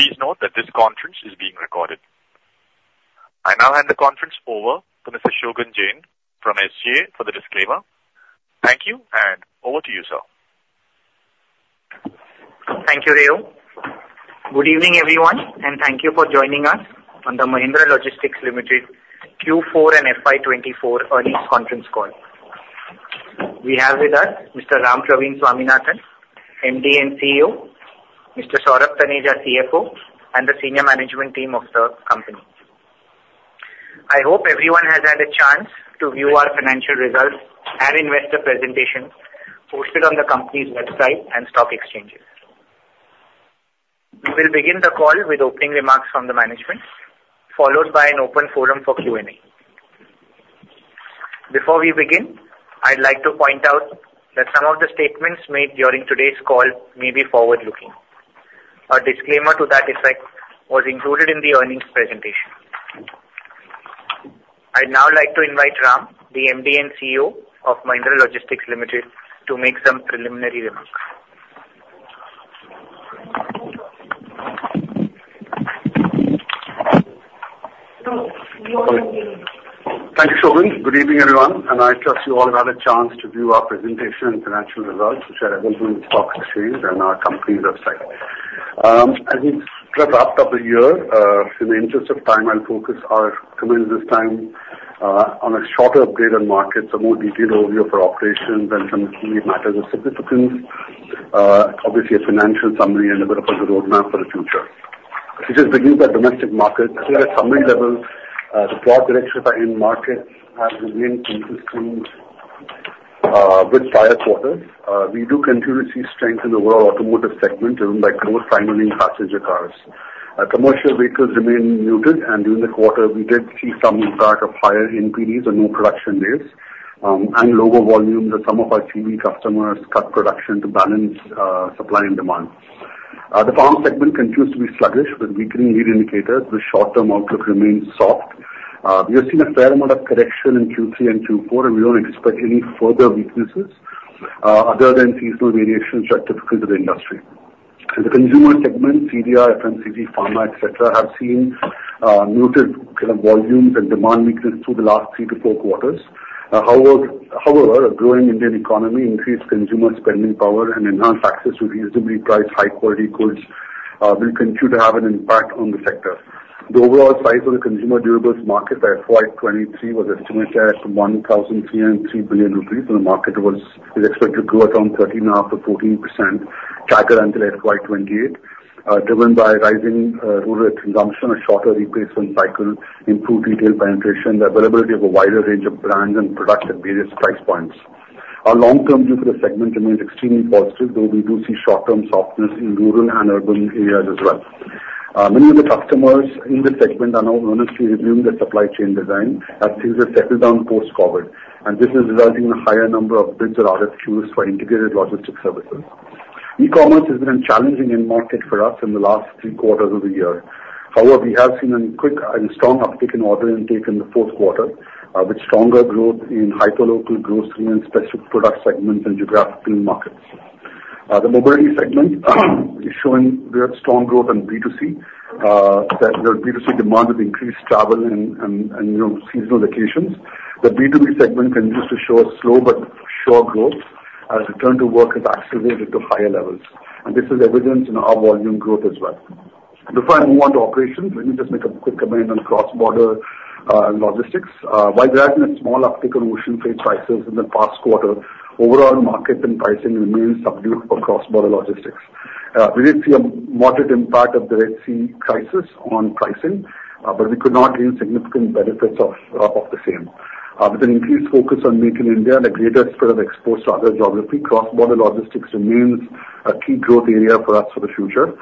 Please note that this conference is being recorded. I now hand the conference over to Mr. Shogun Jain from SG for the disclaimer. Thank you, and over to you, sir. Thank you, Rayo. Good evening, everyone, and thank you for joining us on the Mahindra Logistics Limited Q4 and FY 2024 earnings conference call. We have with us Mr. Rampraveen Swaminathan, MD and CEO, Mr. Saurabh Taneja, CFO, and the senior management team of the company. I hope everyone has had a chance to view our financial results and investor presentation posted on the company's website and stock exchanges. We will begin the call with opening remarks from the management, followed by an open forum for Q&A. Before we begin, I'd like to point out that some of the statements made during today's call may be forward-looking. Our disclaimer to that effect was included in the earnings presentation. I'd now like to invite Ram, the MD and CEO of Mahindra Logistics Limited, to make some preliminary remarks. Thank you, Shogun. Good evening, everyone, and I trust you all have had a chance to view our presentation and financial results, which are available in the stock exchange and our company's website. As we wrap up the year, in the interest of time, I'll focus our comments this time on a shorter update on markets, a more detailed overview of our operations and some key matters of significance, obviously, a financial summary and a bit of a roadmap for the future. Let us begin with the domestic market. At a summary level, the broad direction by end markets has remained consistent with prior quarters. We do continue to see strength in the overall automotive segment, driven by growth finally in passenger cars. Commercial vehicles remain muted, and during the quarter, we did see some impact of higher NPDs and more production days, and lower volumes as some of our key customers cut production to balance supply and demand. The farm segment continues to be sluggish, with weakening lead indicators. The short-term outlook remains soft. We have seen a fair amount of correction in Q3 and Q4, and we don't expect any further weaknesses other than seasonal variations that are typical to the industry. In the consumer segment, CDR, FMCG, pharma, et cetera, have seen muted kind of volumes and demand weakness through the last three to four quarters. However, however, a growing Indian economy, increased consumer spending power, and enhanced access to reasonably priced, high-quality goods will continue to have an impact on the sector. The overall size of the consumer durables market by FY 2023 was estimated at 1,303 billion rupees, and the market is expected to grow at around 13.5%-14% CAGR until FY 2028, driven by rising rural consumption, a shorter replacement cycle, improved retail penetration, the availability of a wider range of brands and products at various price points. Our long-term view for the segment remains extremely positive, though we do see short-term softness in rural and urban areas as well. Many of the customers in this segment are now honestly reviewing their supply chain design as things have settled down post-COVID, and this is resulting in a higher number of bids and RFQs for integrated logistics services. E-commerce has been challenging end market for us in the last three quarters of the year. However, we have seen a quick and strong uptick in order intake in the fourth quarter with stronger growth in hyperlocal, grocery, and specific product segments and geographical markets. The mobility segment is showing very strong growth on B2C, that your B2C demand with increased travel and you know, seasonal occasions. The B2B segment continues to show a slow but sure growth as return to work has accelerated to higher levels, and this is evident in our volume growth as well. Before I move on to operations, let me just make a quick comment on cross-border logistics. While there has been a small uptick on ocean freight prices in the past quarter, overall market and pricing remains subdued for cross-border logistics. We did see a moderate impact of the Red Sea crisis on pricing, but we could not gain significant benefits of the same. With an increased focus on Make in India and a greater spread of exposure to other geography, cross-border logistics remains a key growth area for us for the future,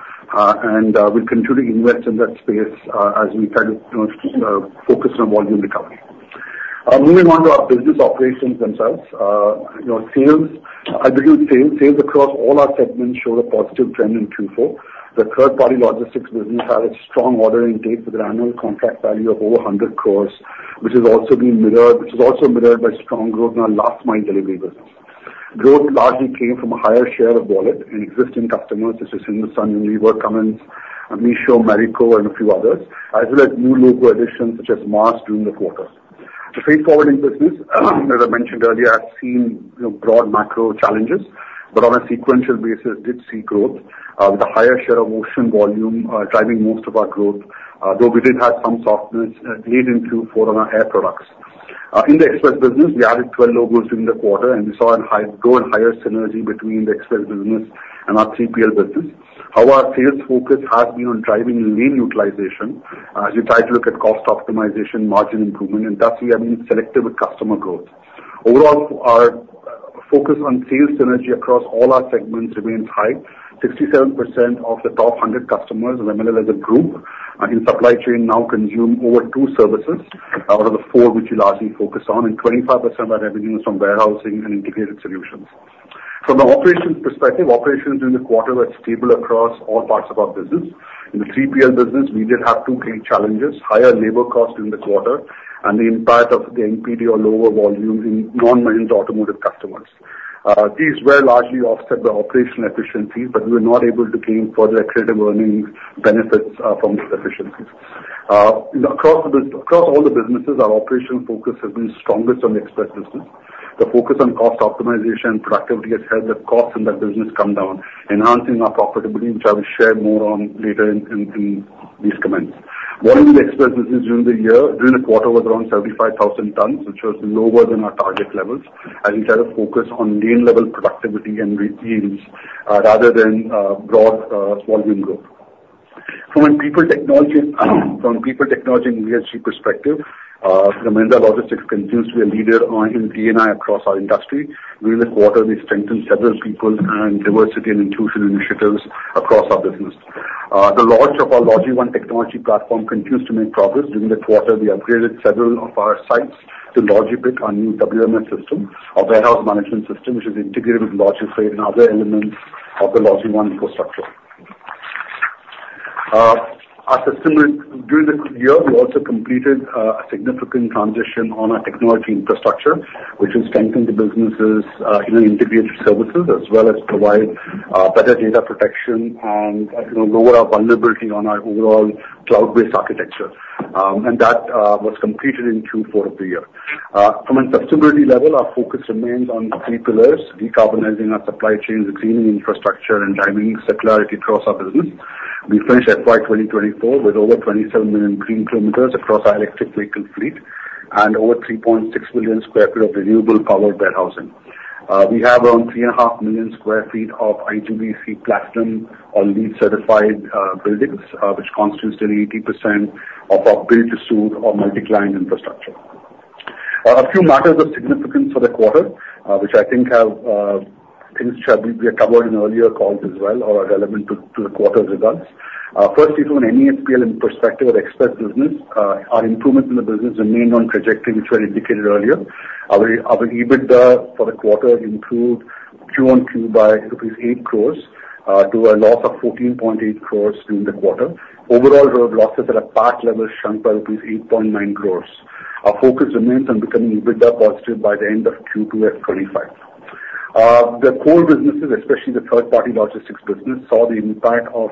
and we'll continue to invest in that space, as we try to, you know, focus on volume recovery. Moving on to our business operations themselves. You know, sales, aggregate sales, sales across all our segments showed a positive trend in Q4. The third-party logistics business had a strong order intake with an annual contract value of over 100 crores, which has also been mirrored, which is also mirrored by strong growth in our last mile delivery business. Growth largely came from a higher share of wallet in existing customers, such as Hindustan Unilever, Cummins, Meesho, Marico, and a few others, as well as new logo additions, such as Mars, during the quarter. The freight forwarding business, as I mentioned earlier, has seen, you know, broad macro challenges, but on a sequential basis, did see growth with a higher share of ocean volume driving most of our growth, though we did have some softness late into four on our air products. In the express business, we added 12 logos during the quarter, and we saw a high, growing higher synergy between the express business and our 3PL business. Our sales focus has been on driving lane utilization, as we try to look at cost optimization, margin improvement, and thus we have been selective with customer growth. Overall, our focus on sales synergy across all our segments remains high. 67% of the top 100 customers of MLL as a group in supply chain now consume over two services out of the four, which we largely focus on, and 25% of our revenue is from warehousing and integrated solutions. From an operations perspective, operations in the quarter were stable across all parts of our business. In the 3PL business, we did have two key challenges: higher labor costs during the quarter and the impact of the NPD or lower volumes in non-Mahindra automotive customers. These were largely offset by operational efficiencies, but we were not able to gain further accretive earnings benefits from these efficiencies. Across all the businesses, our operational focus has been strongest on the express business. The focus on cost optimization and productivity has helped the costs in that business come down, enhancing our profitability, which I will share more on later in these comments. Volume in the express business during the quarter was around 75,000 tons, which was lower than our target levels, as we had a focus on gain level productivity and yields, rather than broad volume growth. From a people technology and ESG perspective, Mahindra Logistics continues to be a leader on D&I across our industry. During the quarter, we strengthened several people and diversity and inclusion initiatives across our business. The launch of our LogiOne technology platform continues to make progress. During the quarter, we upgraded several of our sites to LogiPick, our new WMS system, our warehouse management system, which is integrated with LogiFreight and other elements of the LogiOne infrastructure. Our system, during the year, we also completed a significant transition on our technology infrastructure, which has strengthened the business's integrated services, as well as provide better data protection and, you know, lower our vulnerability on our overall cloud-based architecture. And that was completed in Q4 of the year. From a sustainability level, our focus remains on three pillars: decarbonizing our supply chain, greening infrastructure, and driving circularity across our business. We finished FY 2024 with over 27 million green kilometers across our electric vehicle fleet and over 3.6 million sq ft of renewable powered warehousing. We have around 3.5 million sq ft of IGBC Platinum or LEED certified buildings, which constitutes nearly 80% of our build-to-suit or multi-client infrastructure. A few matters of significance for the quarter, which I think have things which we have covered in earlier calls as well or are relevant to the quarter's results. First, if you an MEHPL in perspective of express business, our improvements in the business remained on trajectory, which were indicated earlier. Our EBITDA for the quarter improved QoQ by rupees 8 crore to a loss of 14.8 crore during the quarter. Overall, road losses at a PAT level shrunk by rupees 8.9 crore. Our focus remains on becoming EBITDA positive by the end of Q2 FY 2025. The core businesses, especially the third-party logistics business, saw the impact of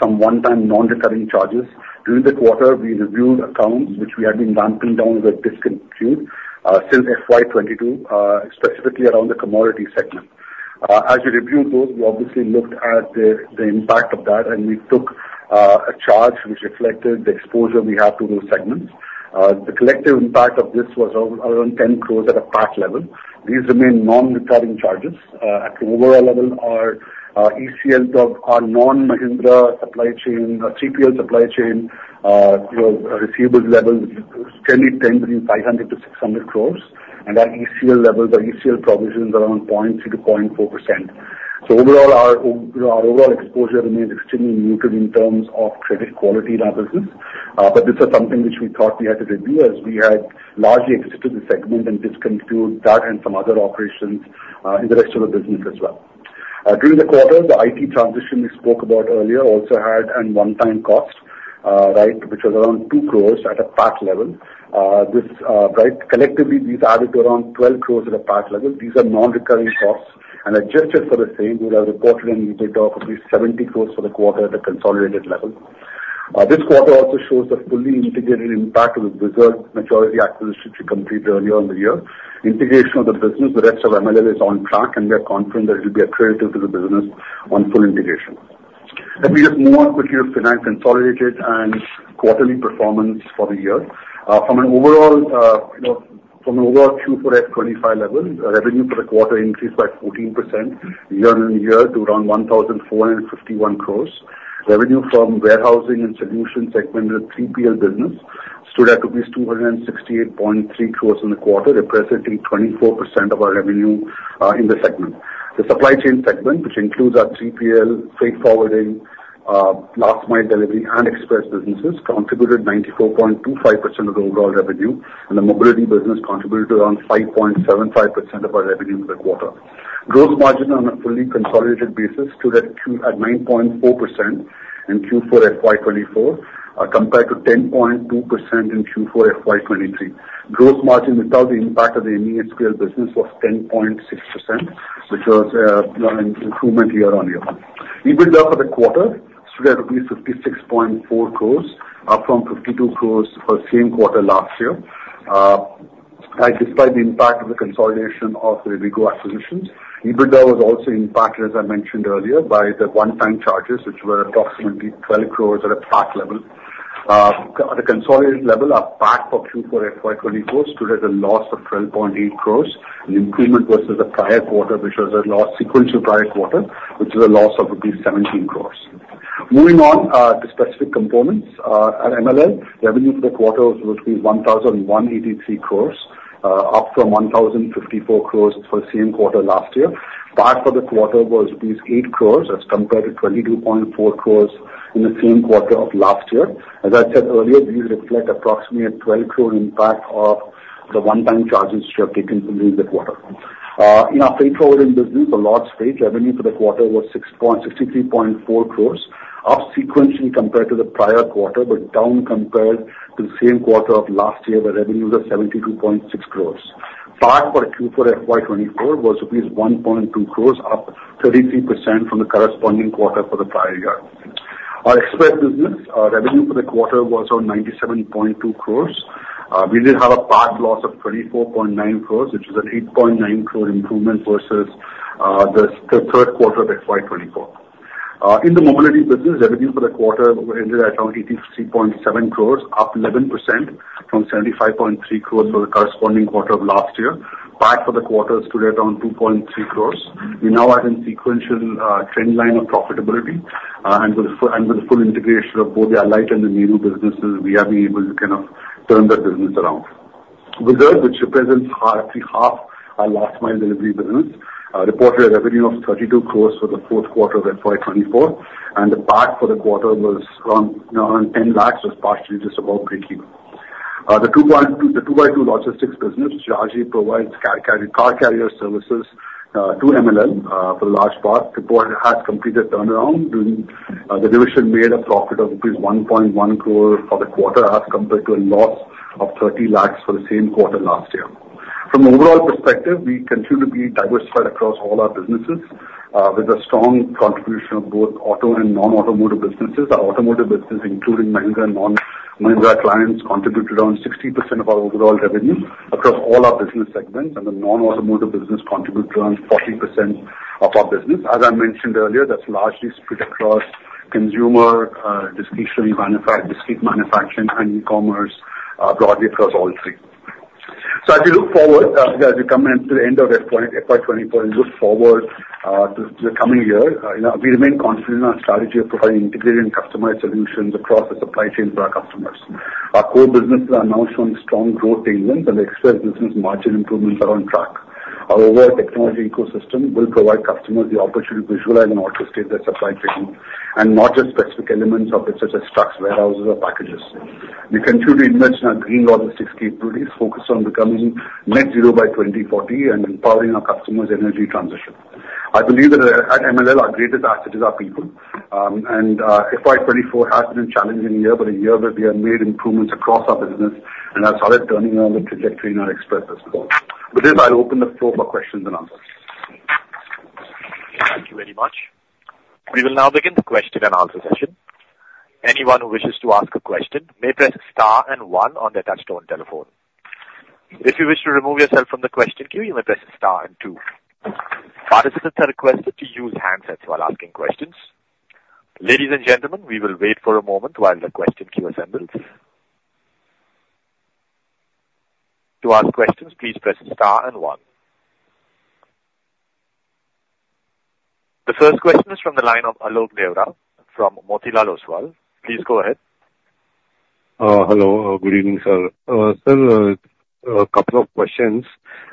some one-time non-recurring charges. During the quarter, we reviewed accounts which we had been ramping down or discontinued since FY 2020, specifically around the commodity segment. As we reviewed those, we obviously looked at the impact of that, and we took a charge which reflected the exposure we have to those segments. The collective impact of this was around 10 crore at a PAT level. These remain non-recurring charges. At an overall level, our ECL of our non-Mahindra supply chain, 3PL supply chain, you know, receivables level, which is generally between 500 crore-600 crore, and our ECL levels, our ECL provisions are around 0.3%-0.4%. So overall, our overall exposure remains extremely muted in terms of credit quality in our business. But this is something which we thought we had to review, as we had largely exited the segment and discontinued that and some other operations, in the rest of the business as well. During the quarter, the IT transition we spoke about earlier also had a one-time cost, right, which was around 2 crore at a PAT level. This, right, collectively, these added to around 12 crore at a PAT level. These are non-recurring costs, and adjusted for the same, we would have reported an EBITDA of at least 70 crore for the quarter at a consolidated level. This quarter also shows the fully integrated impact of the Rivigo and Meru acquisitions we completed earlier in the year. Integration of the business, the rest of MLL, is on track, and we are confident that it will be accretive to the business on full integration. Let me just move on quickly to finance consolidated and quarterly performance for the year. From an overall, you know, from an overall Q4 FY 2025 level, revenue for the quarter increased by 14% year-over-year to around 1,451 crores. Revenue from warehousing and solutions segment of the 3PL business stood at rupees 268.3 crores in the quarter, representing 24% of our revenue in the segment. The supply chain segment, which includes our 3PL, freight forwarding, last mile delivery, and express businesses, contributed 94.25% of the overall revenue, and the mobility business contributed around 5.75% of our revenue for the quarter. Gross margin on a fully consolidated basis stood at nine point four percent in Q4 FY 2024, compared to 10.2% in Q4 FY 2023. Gross margin without the impact of the MEHPL business was 10.6%, which was, you know, an improvement year-on-year. EBITDA for the quarter stood at 56.4 crores, up from 52 crores for the same quarter last year. And despite the impact of the consolidation of the Rivigo acquisitions, EBITDA was also impacted, as I mentioned earlier, by the one-time charges, which were approximately 12 crore at a PAT level. At the consolidated level, our PAT for Q4 FY 2024 stood at a loss of 12.8 crore, an improvement versus the prior quarter, which was a loss—sequential prior quarter, which was a loss of rupees 17 crore. Moving on, to specific components, at MLL, revenue for the quarter was 1,183 crore, up from 1,054 crore for the same quarter last year. PAT for the quarter was 8 crore, as compared to 22.4 crore in the same quarter of last year. As I said earlier, these reflect approximately a 12 crore impact of the one-time charges which were taken during the quarter. In our freight forwarding business, the large stage, revenue for the quarter was 63.4 crores, up sequentially compared to the prior quarter, but down compared to the same quarter of last year, where revenues were 72.6 crores. PAT for Q4 FY 2024 was rupees 1.2 crores, up 33% from the corresponding quarter for the prior year. Our Express business, revenue for the quarter was 97.2 crores. We did have a PAT loss of 24.9 crores, which is an 8.9 crore improvement versus the third quarter of FY 2024. In the mobility business, revenue for the quarter ended at around 83.7 crores, up 11% from 75.3 crores for the corresponding quarter of last year. PAT for the quarter stood at around 2.3 crores. We now are in sequential trend line of profitability, and with the full integration of both the Whizzard and the Meru businesses, we have been able to kind of turn that business around. With that, which represents actually half our last mile delivery business, reported a revenue of 32 crore for the fourth quarter of FY 2024, and the PAT for the quarter was around, you know, 10 lakh, was partially just about breaking even. The 2x2 Logistics business, which largely provides car carrier services to MLL for the large part, has completed turnaround during. The division made a profit of rupees 1.1 crore for the quarter, as compared to a loss of 30 lakh for the same quarter last year. From an overall perspective, we continue to be diversified across all our businesses, with a strong contribution of both auto and non-automotive businesses. Our automotive business, including Mahindra and non-Mahindra clients, contributed around 60% of our overall revenue across all our business segments, and the non-automotive business contributed around 40% of our business. As I mentioned earlier, that's largely split across consumer, discretionary, discrete manufacturing, and e-commerce, broadly across all three. So as we look forward, as we come into the end of FY 2024 and look forward to the coming year, you know, we remain confident in our strategy of providing integrated and customized solutions across the supply chain for our customers. Our core businesses are now showing strong growth engines, and the express business margin improvements are on track. Our overall technology ecosystem will provide customers the opportunity to visualize and orchestrate their supply chain, and not just specific elements of it, such as trucks, warehouses or packages. We continue to invest in our green logistics capabilities, focused on becoming net zero by 2040, and empowering our customers' energy transition. I believe that at MLL, our greatest asset is our people. FY 2024 has been a challenging year, but a year where we have made improvements across our business and have started turning around the trajectory in our express business. With this, I'll open the floor for questions and answers. Thank you very much. We will now begin the question and answer session. Anyone who wishes to ask a question may press star and one on their touchtone telephone. If you wish to remove yourself from the question queue, you may press star and two. Participants are requested to use handsets while asking questions. Ladies and gentlemen, we will wait for a moment while the question queue assembles. To ask questions, please press star and one. The first question is from the line of Alok Deora from Motilal Oswal. Please go ahead. Hello, good evening, sir. Sir, a couple of questions.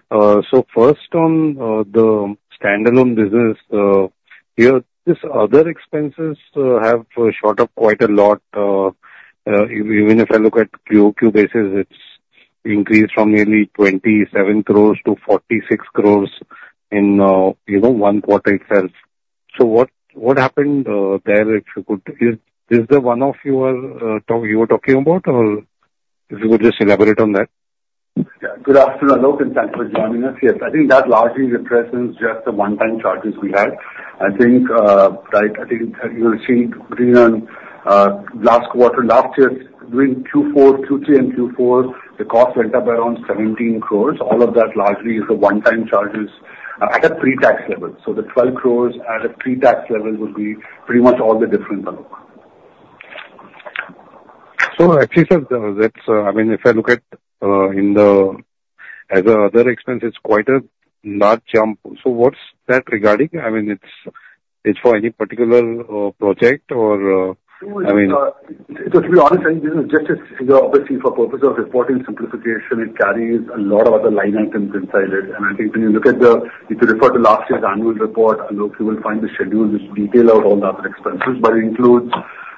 So first on the standalone business, your this other expenses have shot up quite a lot, even if I look at QoQ basis, it's increased from nearly 27 crores to 46 crores in, you know, one quarter itself. So what, what happened there, if you could? Is, is there one of your you were talking about? Or if you could just elaborate on that. Yeah. Good afternoon, Alok, and thanks for joining us. Yes, I think that largely represents just the one-time charges we had. I think, right, I think you will see between last quarter, last year, between Q4, Q3 and Q4, the cost went up around 17 crore. All of that largely is the one-time charges at a pre-tax level. So the 12 crore at a pre-tax level would be pretty much all the difference, Alok. So actually, sir, that's, I mean, if I look at in the... As another expense, it's quite a large jump. So what's that regarding? I mean, it's, it's for any particular project or, I mean- To be honest, I think this is just a figure, obviously, for purpose of reporting simplification. It carries a lot of other line items inside it. I think when you look at the, if you refer to last year's annual report, Alok, you will find the schedule which detail out all the other expenses. But it includes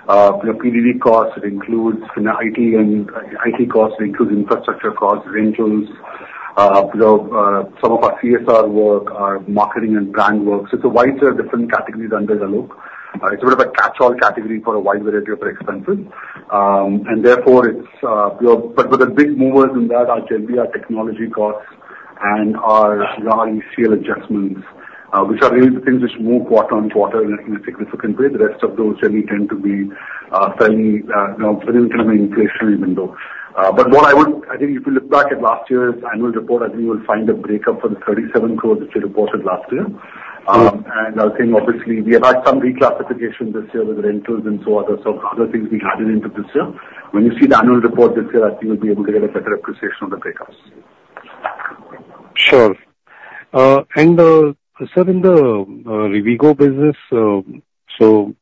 your PDD costs, it includes, you know, IT and IT costs, it includes infrastructure costs, it includes you know some of our CSR work, our marketing and brand work. So it's a wide set of different categories under the look. It's a bit of a catch-all category for a wide variety of expenses. And therefore it's your—but the big movers in that are generally our technology costs and our large sale adjustments, which are really the things which move quarter on quarter in a significant way. The rest of those generally tend to be fairly, you know, within kind of an inflationary window. But what I would... I think if you look back at last year's annual report, I think you will find a breakup for the 37 crore, which we reported last year. And I think obviously, we have had some reclassification this year with rentals and so other, some other things we added into this year. When you see the annual report this year, I think you'll be able to get a better appreciation of the breakups. Sure. And, sir, in the Rivigo business, so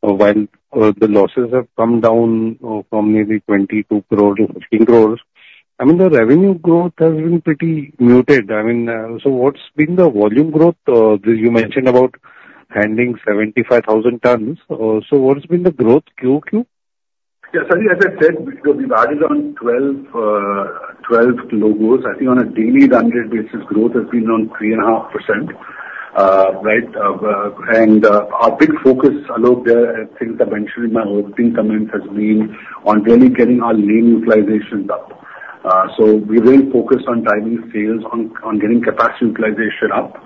while the losses have come down from maybe 22 crore to 15 crore, I mean, the revenue growth has been pretty muted. I mean, so what's been the volume growth? You mentioned about handling 75,000 tons. So what has been the growth Q-over-Q? Yes, sorry, as I said, we've added on 12, 12 logos. I think on a daily rendered basis, growth has been around 3.5%. Right, and our big focus, Alok, there, I think I mentioned in my opening comments, has been on really getting our lane utilization up. So we remain focused on timing sales, on getting capacity utilization up.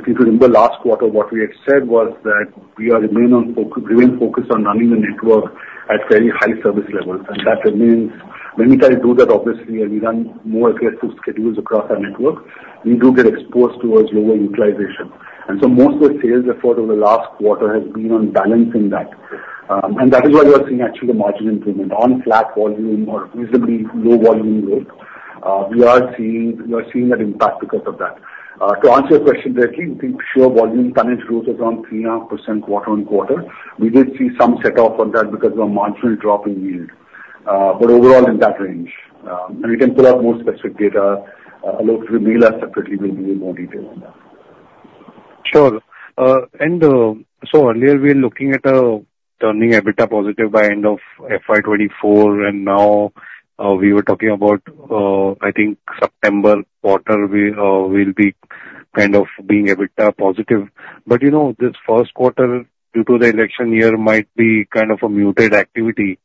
If you remember last quarter, what we had said was that we remain focused on running the network at very high service levels. And that means when we try to do that, obviously, as we run more aggressive schedules across our network, we do get exposed towards lower utilization. And so most of the sales effort over the last quarter has been on balancing that. And that is why you are seeing actually the margin improvement on flat volume or reasonably low volume growth. We are seeing, we are seeing that impact because of that. To answer your question directly, we think the volume tonnage growth is around 3.5% quarter-over-quarter. We did see some setback on that because of a marginal drop in yield, but overall in that range. And we can pull out more specific data. Alok, if you email us separately, we'll give you more detail on that. Sure. And so earlier we were looking at turning EBITDA positive by end of FY 2024, and now we were talking about, I think September quarter, we will be kind of being EBITDA positive. But, you know, this first quarter, due to the election year, might be kind of a muted activity,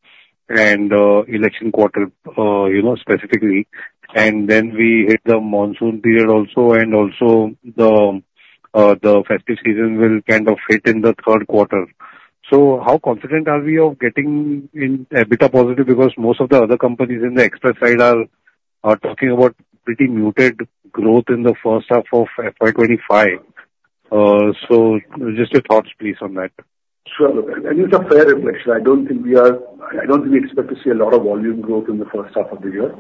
and election quarter, you know, specifically, and then we hit the monsoon period also, and also the, the festive season will kind of fit in the third quarter. So how confident are we of getting in EBITDA positive? Because most of the other companies in the express side are talking about pretty muted growth in the first half of FY 2025. So just your thoughts, please, on that. Sure. It's a fair reflection. I don't think we are. I don't think we expect to see a lot of volume growth in the first half of the year.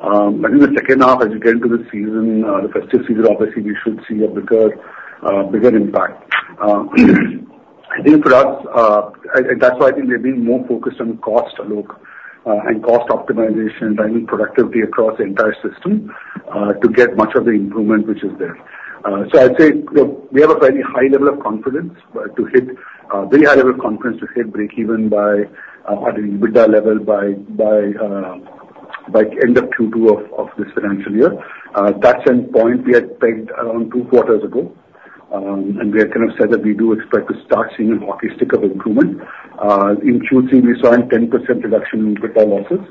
But in the second half, as you get into the season, the festive season, obviously, we should see a bigger, bigger impact. I think for us, and that's why I think we've been more focused on cost, Alok, and cost optimization, driving productivity across the entire system, to get much of the improvement which is there. So I'd say, look, we have a very high level of confidence to hit break even by, at an EBITDA level by end of Q2 of this financial year. That's a point we had pegged around two quarters ago. We have kind of said that we do expect to start seeing a hockey stick of improvement. In Q3, we saw a 10% reduction in EBITDA losses.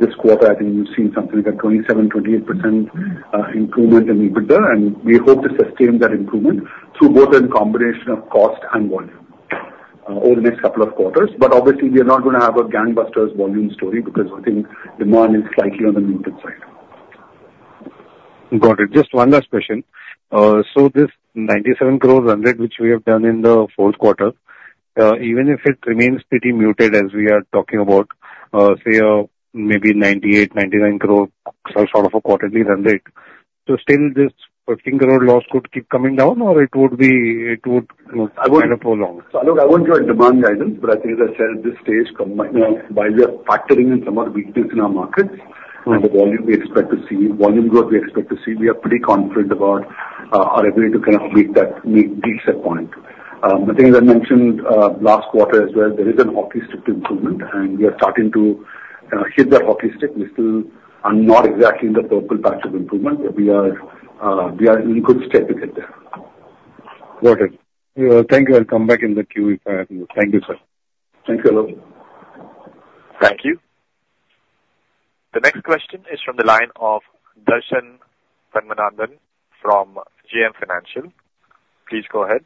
This quarter, I think you've seen something like a 27%-28% improvement in EBITDA, and we hope to sustain that improvement through both a combination of cost and volume, over the next couple of quarters. But obviously we are not gonna have a gangbusters volume story because I think demand is slightly on the muted side. Got it. Just one last question. So this 97 crore run rate, which we have done in the fourth quarter, even if it remains pretty muted as we are talking about, say maybe 98-99 crore sort of a quarterly run rate, so still this single growth loss could keep coming down, or it would, you know, kind of prolong? So Alok, I won't give a demand guidance, but I think, as I said, at this stage, while we are factoring in some of the weakness in our markets- Right. and the volume we expect to see, volume growth we expect to see, we are pretty confident about, our ability to kind of meet that, meet set point. I think as I mentioned, last quarter as well, there is a hockey stick improvement, and we are starting to, hit that hockey stick. We still are not exactly in the purple path of improvement, but we are, we are in good step to get there. Got it. Thank you. I'll come back in the queue if I have to. Thank you, sir. Thank you, Alok. Thank you. The next question is from the line of Sudarshan Padmanabhan from JM Financial. Please go ahead.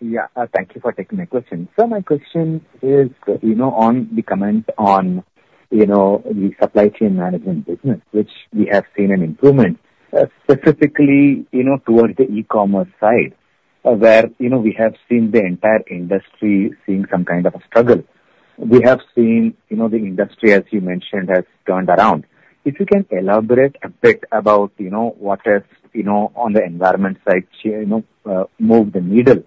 Yeah, thank you for taking my question. So my question is, you know, on the comment on, you know, the supply chain management business, which we have seen an improvement, specifically, you know, towards the e-commerce side, where, you know, we have seen the entire industry seeing some kind of a struggle. We have seen, you know, the industry, as you mentioned, has turned around. If you can elaborate a bit about, you know, what has, you know, on the environment side, you know, moved the needle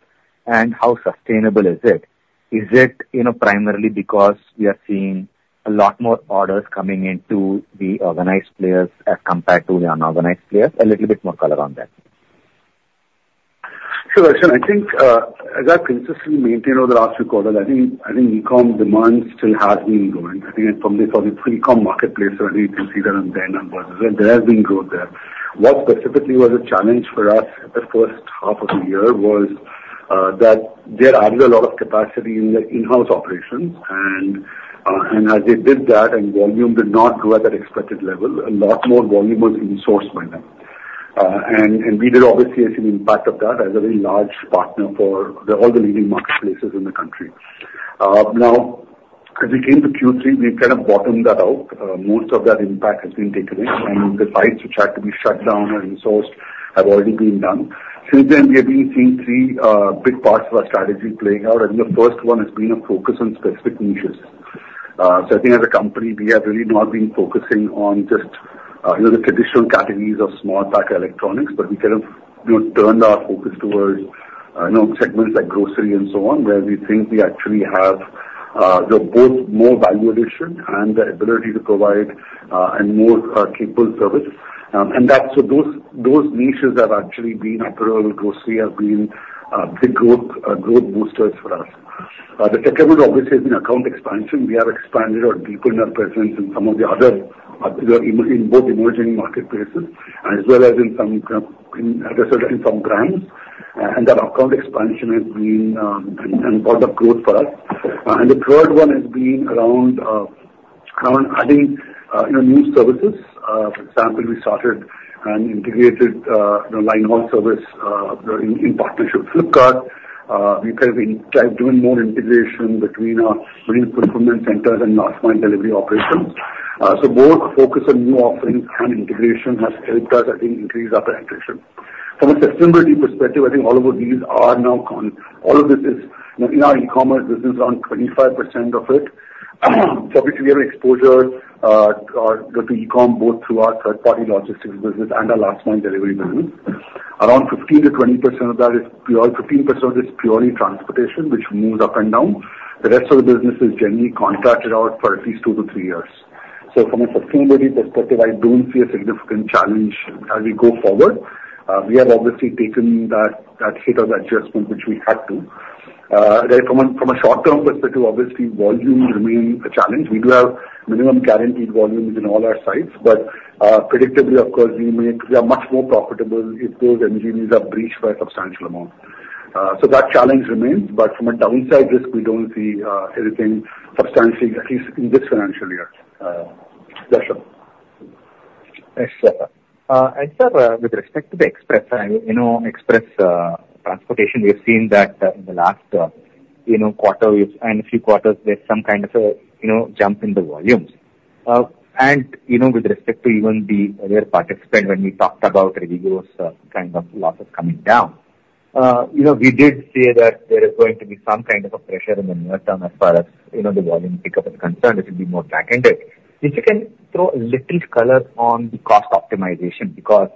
and how sustainable is it? Is it, you know, primarily because we are seeing a lot more orders coming into the organized players as compared to the unorganized players? A little bit more color on that. Sure, Darshan. I think, as I've consistently maintained over the last few quarters, I think, I think e-com demand still has been growing. I think from the, from the free e-com marketplace, so I think you can see that on their numbers, and there has been growth there. What specifically was a challenge for us at the first half of the year was, that they added a lot of capacity in the in-house operations, and, and as they did that and volume did not grow at that expected level, a lot more volume was insourced by them. And, and we did obviously see an impact of that as a very large partner for the, all the leading marketplaces in the country. Now, as we came to Q3, we kind of bottomed that out. Most of that impact has been taken in, and the freights which had to be shut down and sourced have already been done. Since then, we have been seeing three big parts of our strategy playing out, and the first one has been a focus on specific niches. So I think as a company, we have really not been focusing on just, you know, the traditional categories of small pack electronics, but we kind of, you know, turned our focus towards, you know, segments like grocery and so on, where we think we actually have, both more value addition and the ability to provide, a more, capable service. And that's, so those, those niches have actually been apparel, grocery have been, big growth, growth boosters for us. The second one obviously has been account expansion. We have expanded or deepened our presence in some of the other, in both emerging marketplaces and as well as in some, in as a result in some brands. That account expansion has been and part of growth for us. The third one has been around adding, you know, new services. For example, we started an integrated, you know, line haul service in partnership with Flipkart. We have been doing more integration between our fulfillment centers and last mile delivery operations. So both focus on new offerings and integration has helped us, I think, increase our penetration. From a sustainability perspective, I think all of this is, you know, in our e-commerce business, around 25% of it. So obviously, we have exposure to e-com, both through our third party logistics business and our last mile delivery business. Around 15%-20% of that is fifteen percent of it is purely transportation, which moves up and down. The rest of the business is generally contracted out for at least two to three years. So from a sustainability perspective, I don't see a significant challenge as we go forward. We have obviously taken that hit of adjustment, which we had to. Then from a short-term perspective, obviously, volumes remain a challenge. We do have minimum guaranteed volumes in all our sites, but, predictably, of course, we may we are much more profitable if those MGMs are breached by a substantial amount. So that challenge remains, but from a downside risk, we don't see anything substantial, at least in this financial year. Darshan. Yes, sir. And, sir, with respect to the express and, you know, express transportation, we have seen that in the last, you know, quarter and a few quarters, there's some kind of a, you know, jump in the volumes. And, you know, with respect to even the other participant, when we talked about Rivigo's, kind of losses coming down, you know, we did say that there is going to be some kind of a pressure in the near term as far as, you know, the volume pickup is concerned. It will be more back-ended. If you can throw a little color on the cost optimization, because,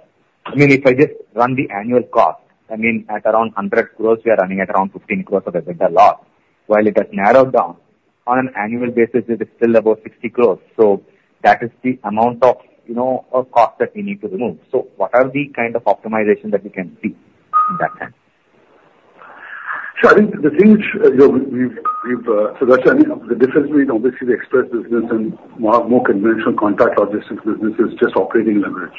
I mean, if I just run the annual cost, I mean, at around 100 crore, we are running at around 15 crore of EBITDA loss. While it has narrowed down, on an annual basis, it is still about 60 crore. So that is the amount of, you know, of cost that we need to remove. So what are the kind of optimization that we can see in that time? Sure. I think the things, you know, we've... So that's, I mean, the difference between obviously the express business and more conventional contract logistics business is just operating leverage,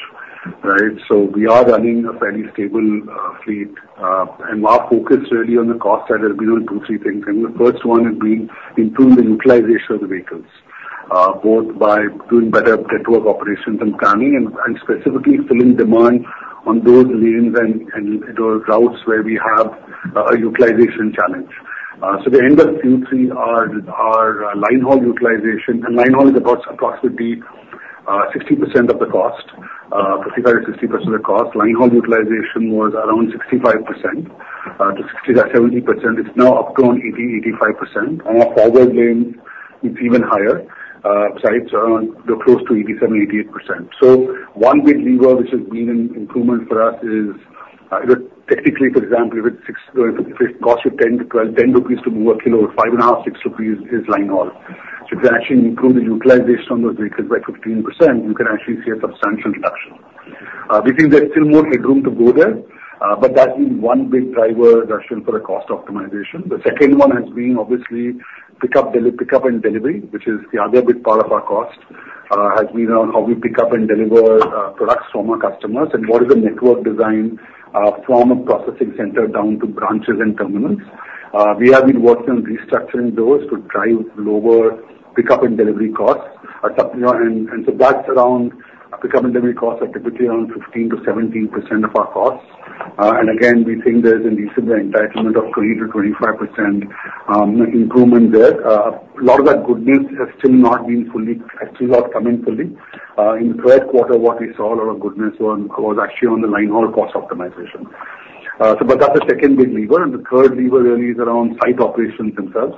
right? So we are running a fairly stable fleet, and our focus really on the cost side has been on two, three things. And the first one has been improving the utilization of the vehicles, both by doing better network operations and planning and specifically filling demand on those lanes and, you know, routes where we have a utilization challenge. So the end of Q3 are line haul utilization, and line haul is about approximately 60% of the cost, 55%-60% of the cost. Line haul utilization was around 65%-60%-70%. It's now up to around 80%-85%. On our forward lanes, it's even higher, it's around close to 87%-88%. So one big lever which has been an improvement for us is, technically, for example, if it costs you 10-12 to move a kilo, 5.5-6 rupees is line haul. So if you actually improve the utilization on those vehicles by 15%, you can actually see a substantial reduction. We think there's still more headroom to go there, but that's been one big driver, Darshan, for the cost optimization. The second one has been obviously pickup and delivery, which is the other big part of our cost, has been around how we pick up and deliver products from our customers and what is the network design, from a processing center down to branches and terminals. We have been working on restructuring those to drive lower pickup and delivery costs. And so that's around. Pickup and delivery costs are typically around 15%-17% of our costs. And again, we think there's a decent entitlement of 20%-25% improvement there. A lot of that good news has still not been fully, has still not come in fully. In the third quarter, what we saw a lot of good news on was actually on the line haul cost optimization. So but that's the second big lever, and the third lever really is around site operations themselves.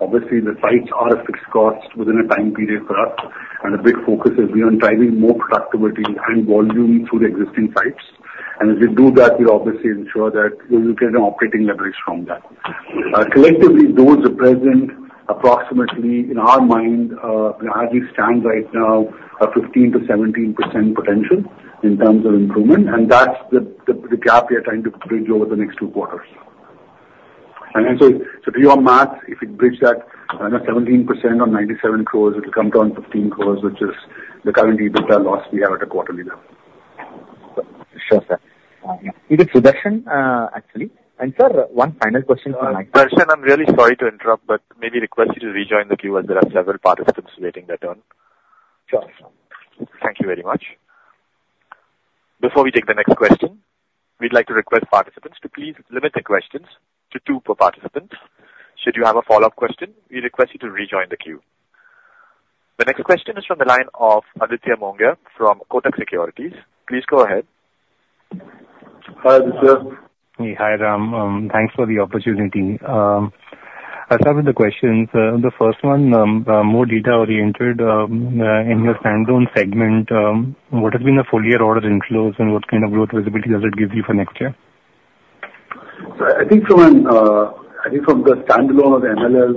Obviously, the sites are a fixed cost within a time period for us, and a big focus has been on driving more productivity and volume through the existing sites. And as we do that, we'll obviously ensure that we will get an operating leverage from that. Collectively, those are present approximately, in our mind, as we stand right now, a 15%-17% potential in terms of improvement, and that's the, the, the gap we are trying to bridge over the next two quarters. So, do your math. If you bridge that, 17% on 97 crores, it will come to around 15 crores, which is the current EBITDA loss we have at a quarterly now. Sure, sir. Yeah. It is Sudarshan, actually. Sir, one final question from my- Sudarshan, I'm really sorry to interrupt, but may we request you to rejoin the queue as there are several participants waiting their turn? Sure. Thank you very much. Before we take the next question, we'd like to request participants to please limit the questions to two per participant. Should you have a follow-up question, we request you to rejoin the queue. The next question is from the line of Aditya Mongia from Kotak Securities. Please go ahead. Hi, Aditya. Hi, Ram. Thanks for the opportunity. I'll start with the questions. The first one, more data-oriented. In your standalone segment, what has been the full year order inflows, and what kind of growth visibility does it give you for next year? I think from the standalone of MLL,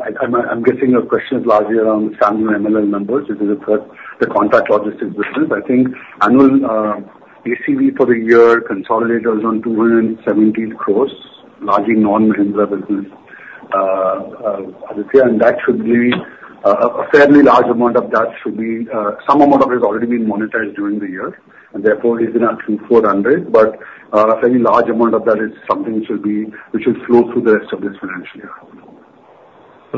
I'm guessing your question is largely around standalone MLL numbers, which is the third, the contract logistics business. I think annual ACV for the year consolidated was around 217 crore, largely non-Mahindra business. Aditya, and that should be a fairly large amount of that should be some amount of it has already been monetized during the year, and therefore, is in actually 400. But a fairly large amount of that is something which will flow through the rest of this financial year.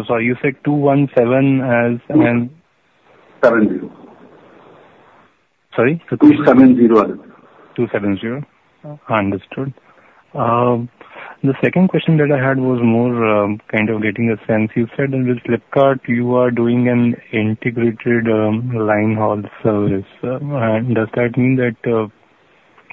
Sorry, you said 217 as in? Seven zero.... Sorry? 270. 270. Understood. The second question that I had was more, kind of getting a sense. You said with Flipkart, you are doing an integrated, line haul service. And does that mean that,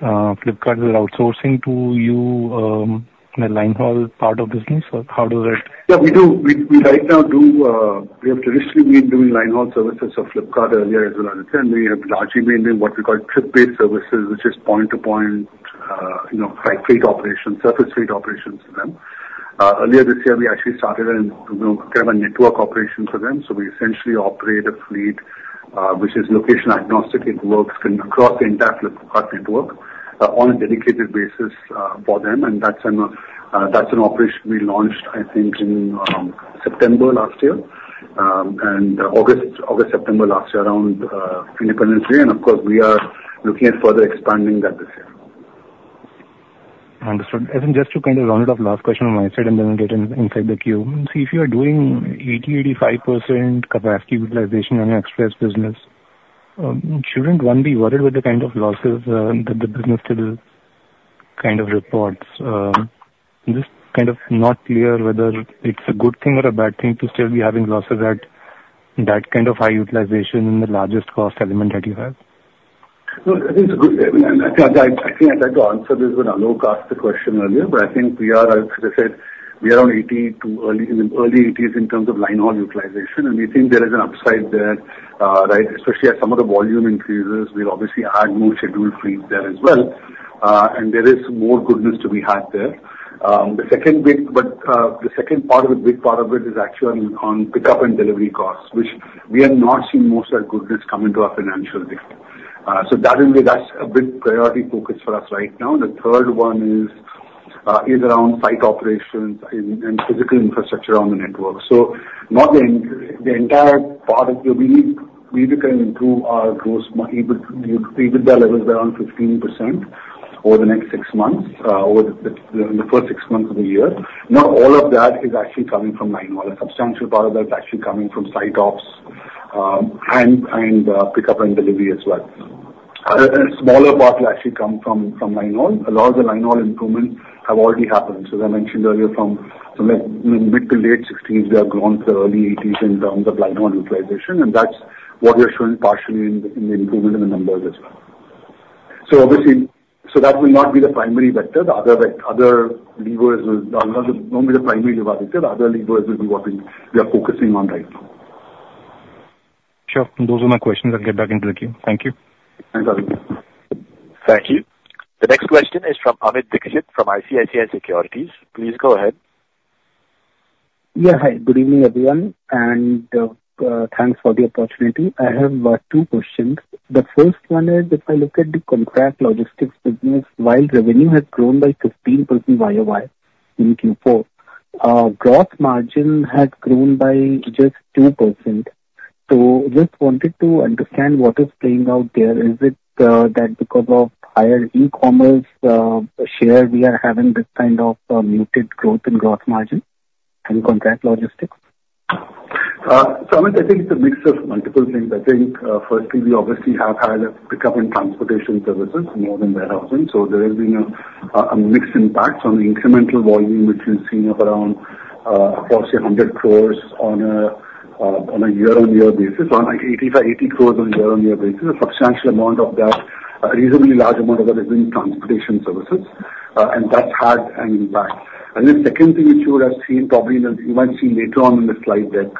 Flipkart is outsourcing to you, the line haul part of business, or how does that- Yeah, we do. We, we right now do, we have traditionally been doing line haul services for Flipkart earlier as well, and we have largely been in what we call trip-based services, which is point-to-point, you know, like freight operations, surface freight operations for them. Earlier this year, we actually started an, you know, kind of a network operation for them. So we essentially operate a fleet, which is location agnostic. It works across the entire Flipkart network, on a dedicated basis, for them, and that's an, that's an operation we launched, I think, in, September last year, and August, August, September last year, around, Independence Day. And of course, we are looking at further expanding that this year. Understood. And then just to kind of round it off, last question on my side, and then we'll get in inside the queue. So if you are doing 80%-85% capacity utilization on your express business, shouldn't one be worried with the kind of losses that the business still kind of reports? Just kind of not clear whether it's a good thing or a bad thing to still be having losses at that kind of high utilization in the largest cost element that you have. No, I think it's good. I think I tried to answer this when Alok asked the question earlier, but I think we are, as I said, we are on 80 to early, in the early 80s in terms of line haul utilization, and we think there is an upside there, right? Especially as some of the volume increases, we'll obviously add more scheduled fleets there as well. And there is more goodness to be had there. The second bit, but the second part of it, big part of it, is actually on pickup and delivery costs, which we have not seen most of that goodness come into our financial data. So that will be, that's a big priority focus for us right now. The third one is around site operations and physical infrastructure on the network. So not the entire part of it. We need, we can improve our gross margin, EBITDA levels around 15% over the next six months, over the first six months of the year. Not all of that is actually coming from line haul. A substantial part of that is actually coming from site ops, and pickup and delivery as well. A smaller part will actually come from line haul. A lot of the line haul improvements have already happened. So as I mentioned earlier, from mid- to late 2016, we have grown to early 80s in terms of line haul utilization, and that's what we are showing partially in the improvement in the numbers as well. So obviously. So that will not be the primary vector. The other, the other levers will won't be the primary lever. The other levers will be what we, we are focusing on right now. Sure. Those are my questions. I'll get back into the queue. Thank you. Thanks, Alvin. Thank you. The next question is from Amit Dixit, from ICICI Securities. Please go ahead. Yeah, hi. Good evening, everyone, and, thanks for the opportunity. I have, two questions. The first one is, if I look at the contract logistics business, while revenue has grown by 15% YOY in Q4, gross margin has grown by just 2%. So just wanted to understand what is playing out there. Is it, that because of higher e-commerce, share, we are having this kind of, muted growth in gross margin in contract logistics? So Amit, I think it's a mix of multiple things. I think, firstly, we obviously have had a pickup in transportation services more than warehousing, so there has been a mixed impact on the incremental volume, which we've seen of around, roughly 100 crore on a year-on-year basis, like 85, 80 crore on a year-on-year basis. A substantial amount of that, a reasonably large amount of that is in transportation services, and that's had an impact. The second thing, which you would have seen, probably in the slide deck,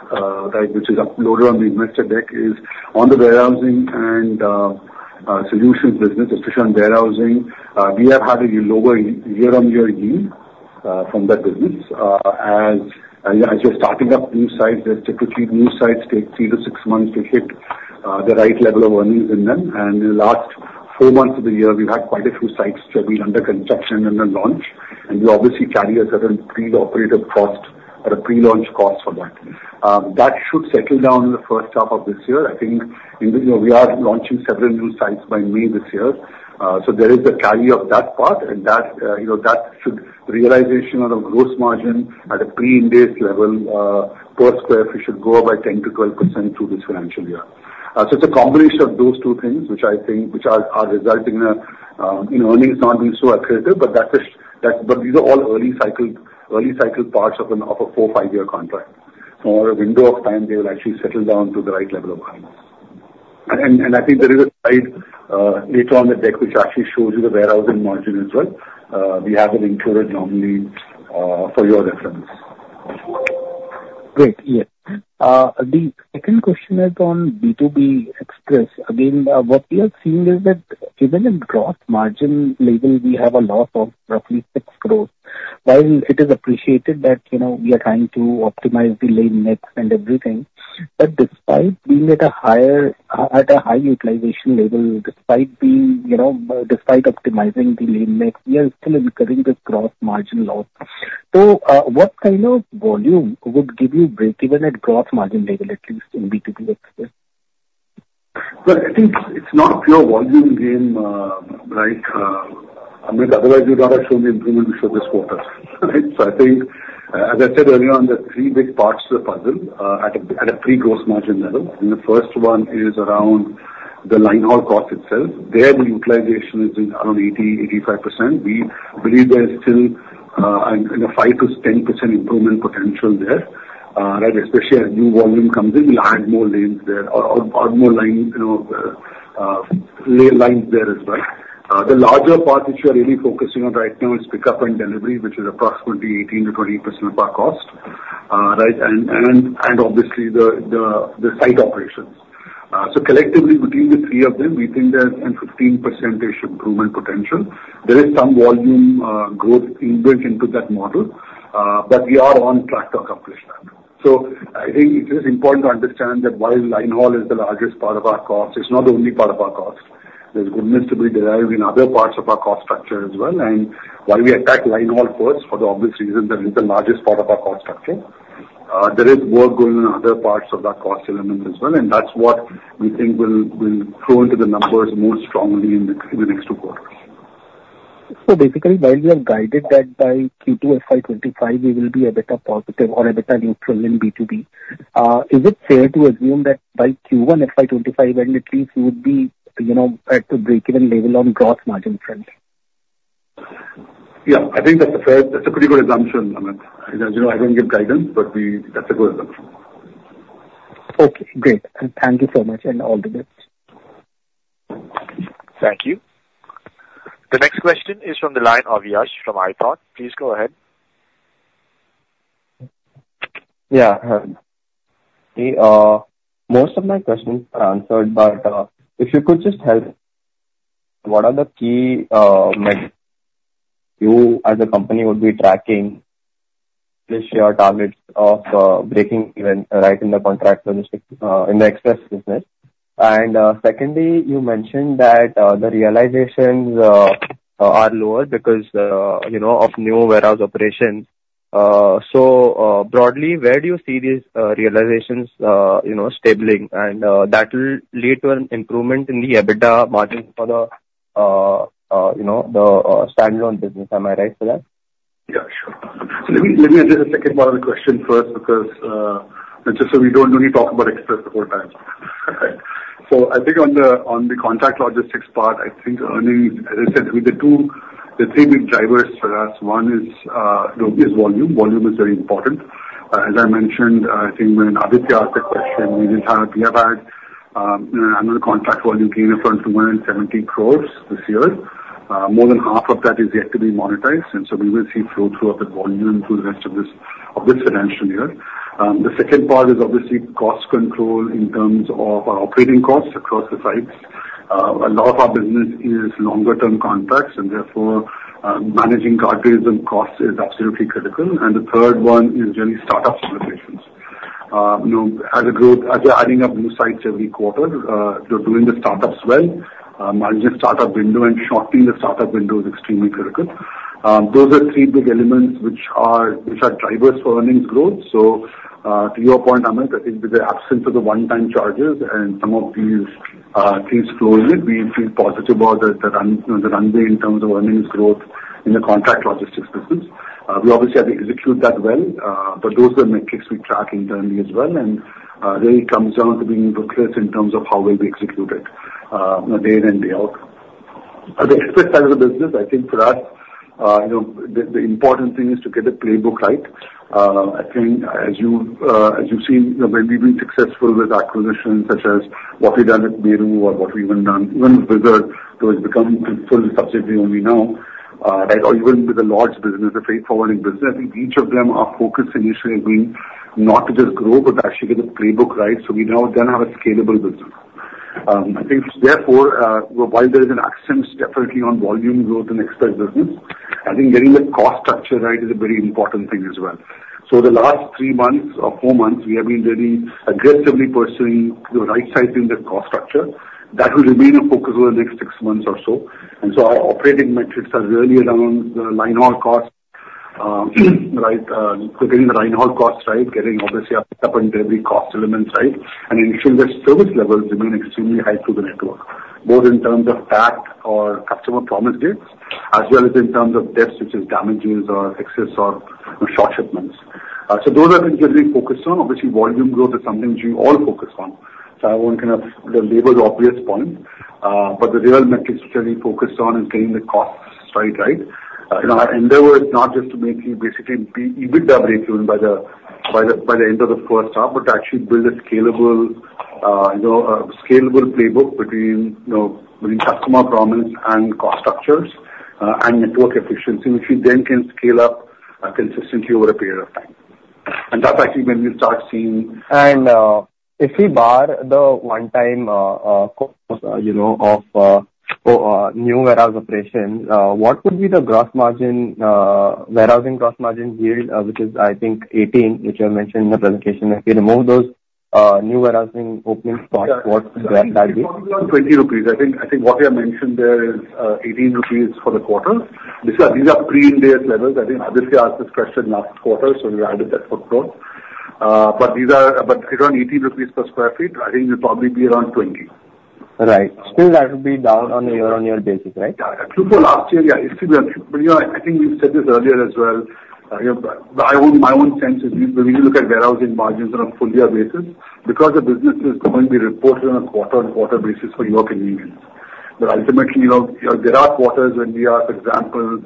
right, which is uploaded on the investor deck, is on the warehousing and solutions business, especially on warehousing, we have had a lower year-on-year yield from that business. As you're starting up new sites, that typically new sites take three to six months to hit the right level of earnings in them. In the last four months of the year, we've had quite a few sites which have been under construction and then launch, and we obviously carry a certain pre-operative cost or a pre-launch cost for that. That should settle down in the first half of this year. I think, you know, we are launching several new sites by May this year. So there is a carry of that part and that, you know, that realization on a gross margin at a pre-industry level per sq ft should grow by 10%-12% through this financial year. So it's a combination of those two things, which I think, which are, are resulting in, you know, earnings not being so accurate, but that is, that - but these are all early cycle, early cycle parts of an, of a four, five-year contract. From our window of time, they will actually settle down to the right level of earnings. And, and I think there is a slide later on the deck, which actually shows you the warehousing margin as well. We have it included normally for your reference. Great, yes. The second question is on B2B Express. Again, what we are seeing is that even in gross margin level, we have a loss of roughly 6 crore. While it is appreciated that, you know, we are trying to optimize the lane mix and everything, but despite being at a higher, at a high utilization level, despite being, you know, despite optimizing the lane mix, we are still incurring this gross margin loss. So, what kind of volume would give you breakeven at gross margin level, at least in B2B Express? Well, I think it's not a pure volume game, right? I mean, otherwise, we would not have shown the improvement we showed this quarter, right? So I think, as I said earlier on, there are three big parts to the puzzle, at a pre-gross margin level. And the first one is around the line haul cost itself. There, the utilization is around 80-85%. We believe there is still, you know, 5%-10% improvement potential there, right? Especially as new volume comes in, we'll add more lanes there or add more line, you know, lay lines there as well. The larger part which we are really focusing on right now is pickup and delivery, which is approximately 18%-20% of our cost, right, and obviously, the site operations. So collectively, between the three of them, we think there's a 15% improvement potential. There is some volume growth inbuilt into that model, but we are on track to accomplish that. So I think it is important to understand that while line haul is the largest part of our cost, it's not the only part of our cost. There's goodness to be derived in other parts of our cost structure as well. And while we attack line haul first, for the obvious reason that it's the largest part of our cost structure, there is work going on in other parts of that cost elements as well, and that's what we think will, will flow into the numbers more strongly in the, in the next two quarters. So basically, while you have guided that by Q2 FY25, we will be a better positive or a better neutral in B2B, is it fair to assume that by Q1 FY25, at least you would be, you know, at the break-even level on gross margin front? Yeah, I think that's a pretty good assumption, Amit. As you know, I don't give guidance, but that's a good assumption. Okay, great. Thank you so much, and all the best. Thank you. The next question is from the line of Yash from iThought. Please go ahead. Yeah, hi. Most of my questions are answered, but if you could just help, what are the key metrics you as a company would be tracking this year, targets of breaking even, right in the contract logistics in the express business? And secondly, you mentioned that the realizations are lower because, you know, of new warehouse operations. So broadly, where do you see these realizations, you know, stabilizing? And that will lead to an improvement in the EBITDA margin for the, you know, the standalone business. Am I right for that? Yeah, sure. So let me address the second part of the question first, because just so we don't only talk about express the whole time. So I think on the contract logistics part, I think earnings, as I said, the three big drivers for us, one is obviously volume. Volume is very important. As I mentioned, I think when Aditya asked the question, we did have, we have had, you know, another contract volume gain of around 270 crores this year. More than half of that is yet to be monetized, and so we will see flow-through of the volume through the rest of this financial year. The second part is obviously cost control in terms of our operating costs across the sites. A lot of our business is longer term contracts, and therefore, managing cartwheel costs is absolutely critical. The third one is really start-up situations. You know, as a growth, as you're adding up new sites every quarter, you're doing the start-ups well. Managing the start-up window and shortening the start-up window is extremely critical. Those are three big elements which are drivers for earnings growth. So, to your point, Amit, I think with the absence of the one-time charges and some of these things flowing, we feel positive about the run, you know, the runway in terms of earnings growth in the contract logistics business. We obviously have to execute that well, but those are the metrics we track internally as well. Really it comes down to being focused in terms of how we execute it, you know, day in and day out. At the express side of the business, I think for us, you know, the important thing is to get the playbook right. I think as you, as you've seen, you know, where we've been successful with acquisitions such as what we've done with Meru or what we've even done, even with Whizzard, though it's become fully subsidiary only now, right, or even with the large business, the freight forwarding business, I think each of them are focused initially on being not to just grow, but to actually get the playbook right, so we now then have a scalable business. I think therefore, while there is an accent definitely on volume growth and express business, I think getting the cost structure right is a very important thing as well. So the last three months or four months, we have been very aggressively pursuing the right sizing the cost structure. That will remain a focus over the next six months or so. And so our operating metrics are really around the line haul costs, right, getting the line haul costs right, getting obviously our pickup and delivery cost elements right, and ensuring that service levels remain extremely high through the network, both in terms of pack or customer promise dates, as well as in terms of DEPS, which is damages or excess or short shipments. So those are the things we are focused on. Obviously, volume growth is something which we all focus on. So I won't kind of label the obvious point, but the real metrics which are really focused on is getting the costs right, right? And our endeavor is not just to making basically EBITDA break even by the end of the first half, but to actually build a scalable, you know, a scalable playbook between, you know, between customer promise and cost structures, and network efficiency, which we then can scale up, consistently over a period of time. And that's actually when you'll start seeing- If we barring the one-time cost, you know, of new warehouse operations, what would be the gross margin, warehousing gross margin yield, which is, I think, 18, which you have mentioned in the presentation. If you remove those new warehousing openings, what might that be? 20 rupees. I think what we have mentioned there is 18 rupees for the quarter. These are pre-IndAS levels. I think Aditya asked this question last quarter, so we added that footnote. But these are around 80 rupees per sq ft. I think it will probably be around 20. Right. Still, that would be down on a year-on-year basis, right? Yeah, Q4 last year, yeah, it's still, but, you know, I think we've said this earlier as well. You know, my own sense is when you look at warehousing margins on a full year basis, because the business is going to be reported on a quarter-on-quarter basis for your convenience. But ultimately, you know, there are quarters when we are, for example,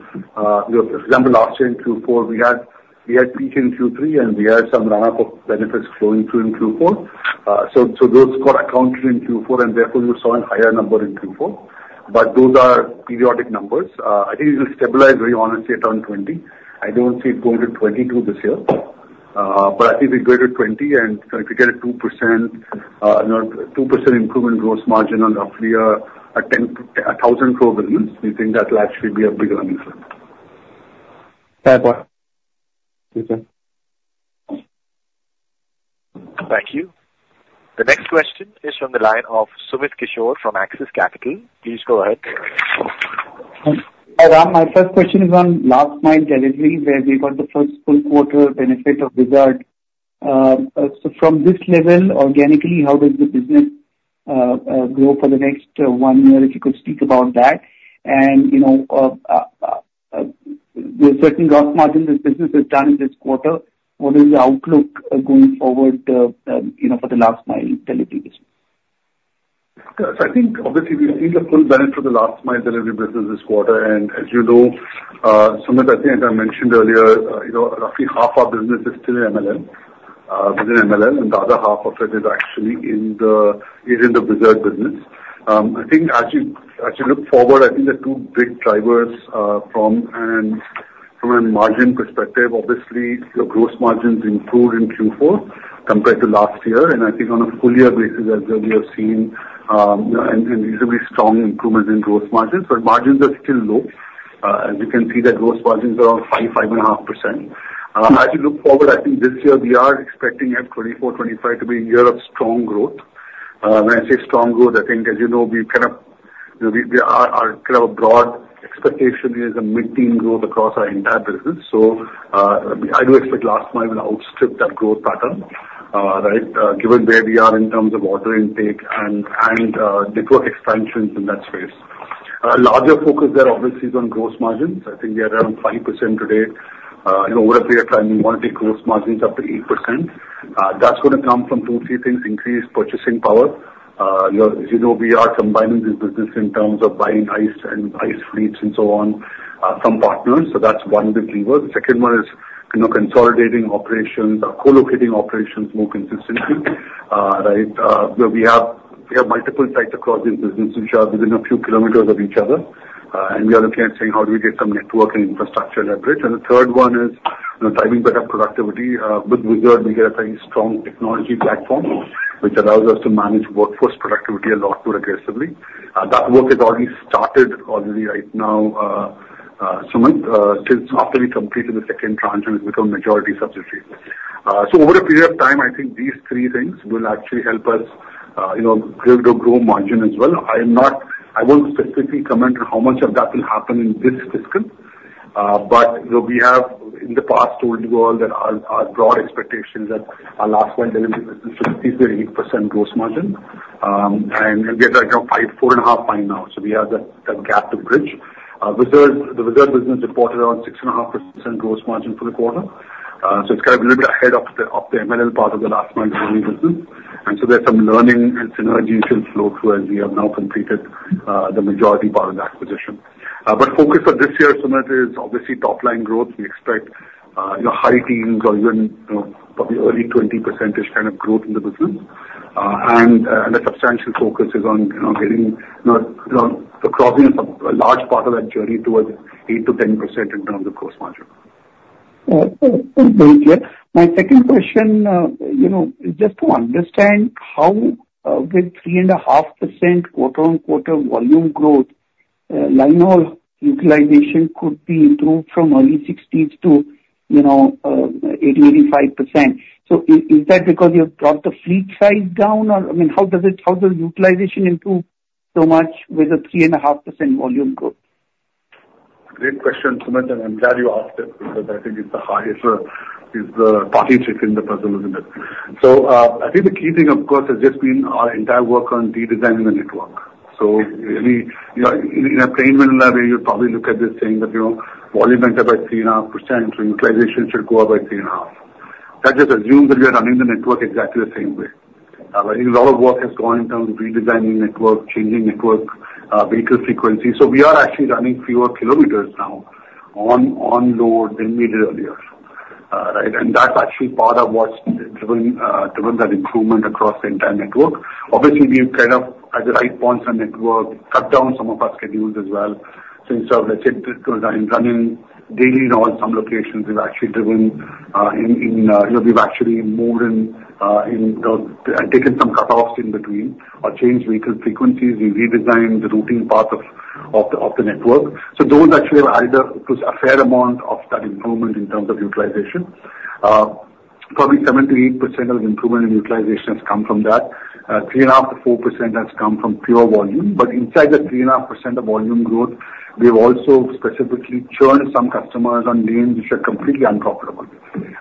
last year in Q4, we had peak in Q3, and we had some run up of benefits flowing through in Q4. So those got accounted in Q4, and therefore, you saw a higher number in Q4. But those are periodic numbers. I think it will stabilize very honestly at around 20. I don't see it going to 22 this year, but I think it will go to 20, and if you get a 2%, you know, 2% improvement in gross margin on a full year, a 10,000 crore business, we think that will actually be a big earnings. Fair point. Thank you. Thank you. The next question is from the line of Sumit Kishore from Axis Capital. Please go ahead. Hi, Ram. My first question is on last mile delivery, where we got the first full quarter benefit of Whizzard. So from this level, organically, how does the business grow for the next one year? If you could speak about that. And, you know, the certain gross margin this business has done in this quarter, what is the outlook going forward, you know, for the last mile delivery business? Yes, I think obviously we've seen the full benefit of the last mile delivery business this quarter. As you know, Sumit, I think I mentioned earlier, you know, roughly half our business is still in MLL, within MLL, and the other half of it is actually in the Whizzard business. I think as you look forward, I think the two big drivers, from a margin perspective, obviously, your gross margins improved in Q4 compared to last year. And I think on a full year basis as well, we have seen a reasonably strong improvement in gross margins. But margins are still low. As you can see, the gross margins are around 5-5.5%. As you look forward, I think this year we are expecting at 2024, 2025 to be a year of strong growth. When I say strong growth, I think, as you know, we kind of, you know, a broad expectation is a mid-teen growth across our entire business. So, I do expect last mile will outstrip that growth pattern, right, given where we are in terms of order intake and network expansions in that space. A larger focus there obviously is on gross margins. I think we are around 5% today. You know, over a period of time, we want to take gross margins up to 8%. That's going to come from 2, 3 things, increased purchasing power. You know, as you know, we are combining this business in terms of buying Whizz and Whizz fleets and so on, from partners, so that's one big lever. The second one is, you know, consolidating operations or co-locating operations more consistently, right? Where we have, we have multiple sites across this business, which are within a few kilometers of each other. And we are looking at saying, how do we get some network and infrastructure leverage? And the third one is, you know, driving better productivity. With Whizzard, we get a very strong technology platform, which allows us to manage workforce productivity a lot more aggressively. That work has already started already right now, Sumit, since after we completed the second tranche and it's become a majority subsidiary. So over a period of time, I think these three things will actually help us, you know, grow margin as well. I won't specifically comment on how much of that will happen in this fiscal. But, you know, we have, in the past, told you all that our broad expectations that our last mile delivery business will see the 8% gross margin. And we are like at five, 4.5, five now. So we have that gap to bridge. Whizzard, the Whizzard business reported around 6.5% gross margin for the quarter. So it's kind of a little bit ahead of the MLL part of the last mile delivery business. So there's some learning and synergy should flow through as we have now completed the majority part of the acquisition. But focus for this year, Sumit, is obviously top-line growth. We expect, you know, high teens or even, you know, probably early 20% kind of growth in the business. And a substantial focus is on, you know, getting, you know, you know, crossing a large part of that journey towards 8%-10% in terms of gross margin. Very clear. My second question, you know, just to understand how, with 3.5% quarter-on-quarter volume growth, line haul utilization could be improved from early 60s to, you know, 80%-85%. So is that because you have brought the fleet size down? Or, I mean, how does it, how does utilization improve so much with a 3.5% volume growth? Great question, Sumit, and I'm glad you asked it, because I think it's the highest in the business. So, I think the key thing, of course, has just been our entire work on redesigning the network. So really, you know, in a plain vanilla way, you'd probably look at this saying that, you know, volume went up by 3.5%, so utilization should go up by 3.5%. That just assumes that we are running the network exactly the same way. A lot of work has gone in terms of redesigning network, changing network, vehicle frequency. So we are actually running fewer kilometers now on load than we did earlier. Right, and that's actually part of what's driven that improvement across the entire network. Obviously, we've kind of, at the right points in our network, cut down some of our schedules as well. Since, let's say, because I'm running daily in all some locations, we've actually driven, you know, we've actually more in the taken some cutoffs in between or changed vehicle frequencies. We redesigned the routing path of the network. So those actually are either put a fair amount of that improvement in terms of utilization. Probably 7%-8% of improvement in utilization has come from that. Three and a half to four percent has come from pure volume, but inside the 3.5% of volume growth, we've also specifically churned some customers on lanes which are completely unprofitable,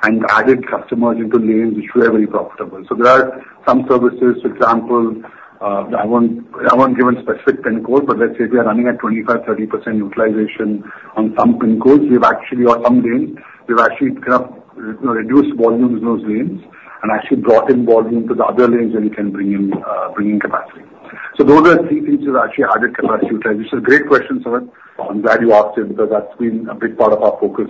and added customers into lanes which were very profitable. So there are some services, for example, I won't, I won't give a specific pin code, but let's say if we are running at 25%-30% utilization on some pin codes, we've actually, or some lanes, we've actually kind of, you know, reduced volumes in those lanes and actually brought in volume to the other lanes where we can bring in capacity. So those are three things which actually added capacity utilization. Great question, Sumit. I'm glad you asked it, because that's been a big part of our focus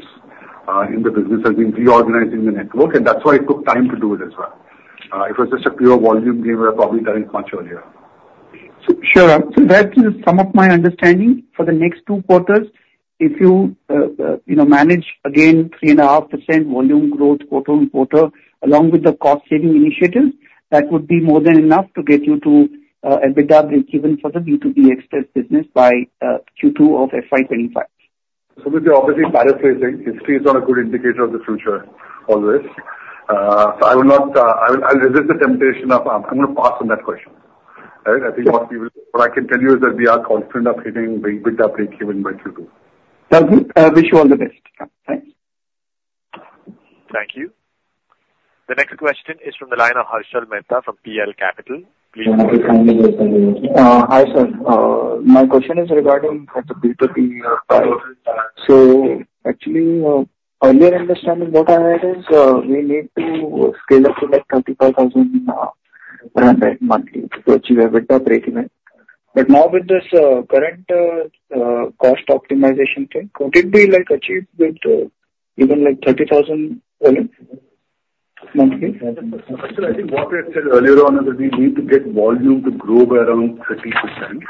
in the business, has been reorganizing the network, and that's why it took time to do it as well. If it was just a pure volume game, we would have probably done it much earlier. So sure, so that is some of my understanding. For the next two quarters, if you, you know, manage again 3.5% volume growth quarter-on-quarter, along with the cost saving initiatives, that would be more than enough to get you to, uh, EBITDA breakeven for the B2B Express business by, uh, Q2 of FY 2025. So you're obviously paraphrasing. History is not a good indicator of the future always. So I will not, I will, I'll resist the temptation of... I'm gonna pass on that question. All right? I think what I can tell you is that we are confident of hitting the EBITDA breakeven by Q2. Sounds good. I wish you all the best. Yeah, thanks. Thank you. The next question is from the line of Harshal Mehta from PL Capital. Please go ahead. Hi, sir. My question is regarding the B2B, so actually, earlier understanding what I had is, we need to scale up to, like, 35,000 monthly to achieve EBITDA breakeven. But now with this current cost optimization thing, could it be, like, achieved with even like 30,000 volume monthly? Harshal, I think what we had said earlier on is that we need to get volume to grow by around 30%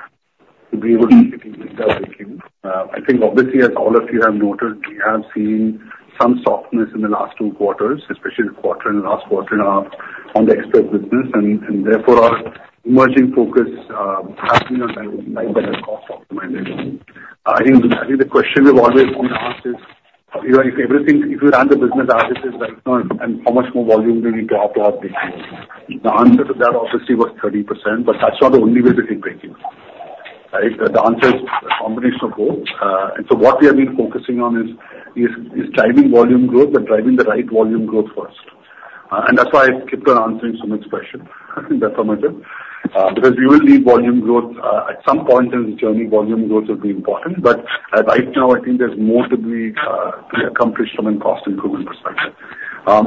to be able to EBITDA breakeven. I think obviously, as all of you have noted, we have seen some softness in the last two quarters, especially the quarter and last quarter, on the express business, and therefore, our emerging focus has been on driving better cost optimization. I think, I think the question we've always been asked is, you know, if everything, if you ran the business as it is right now and how much more volume do we need to up to our breakeven? The answer to that obviously was 30%, but that's not the only way to hit breakeven. Right? The answer is a combination of both. And so what we have been focusing on is driving volume growth, but driving the right volume growth first. And that's why I kept on answering Sumit's question, in that format, because we will need volume growth. At some point in the journey, volume growth will be important, but right now, I think there's more to be accomplished from a cost improvement perspective.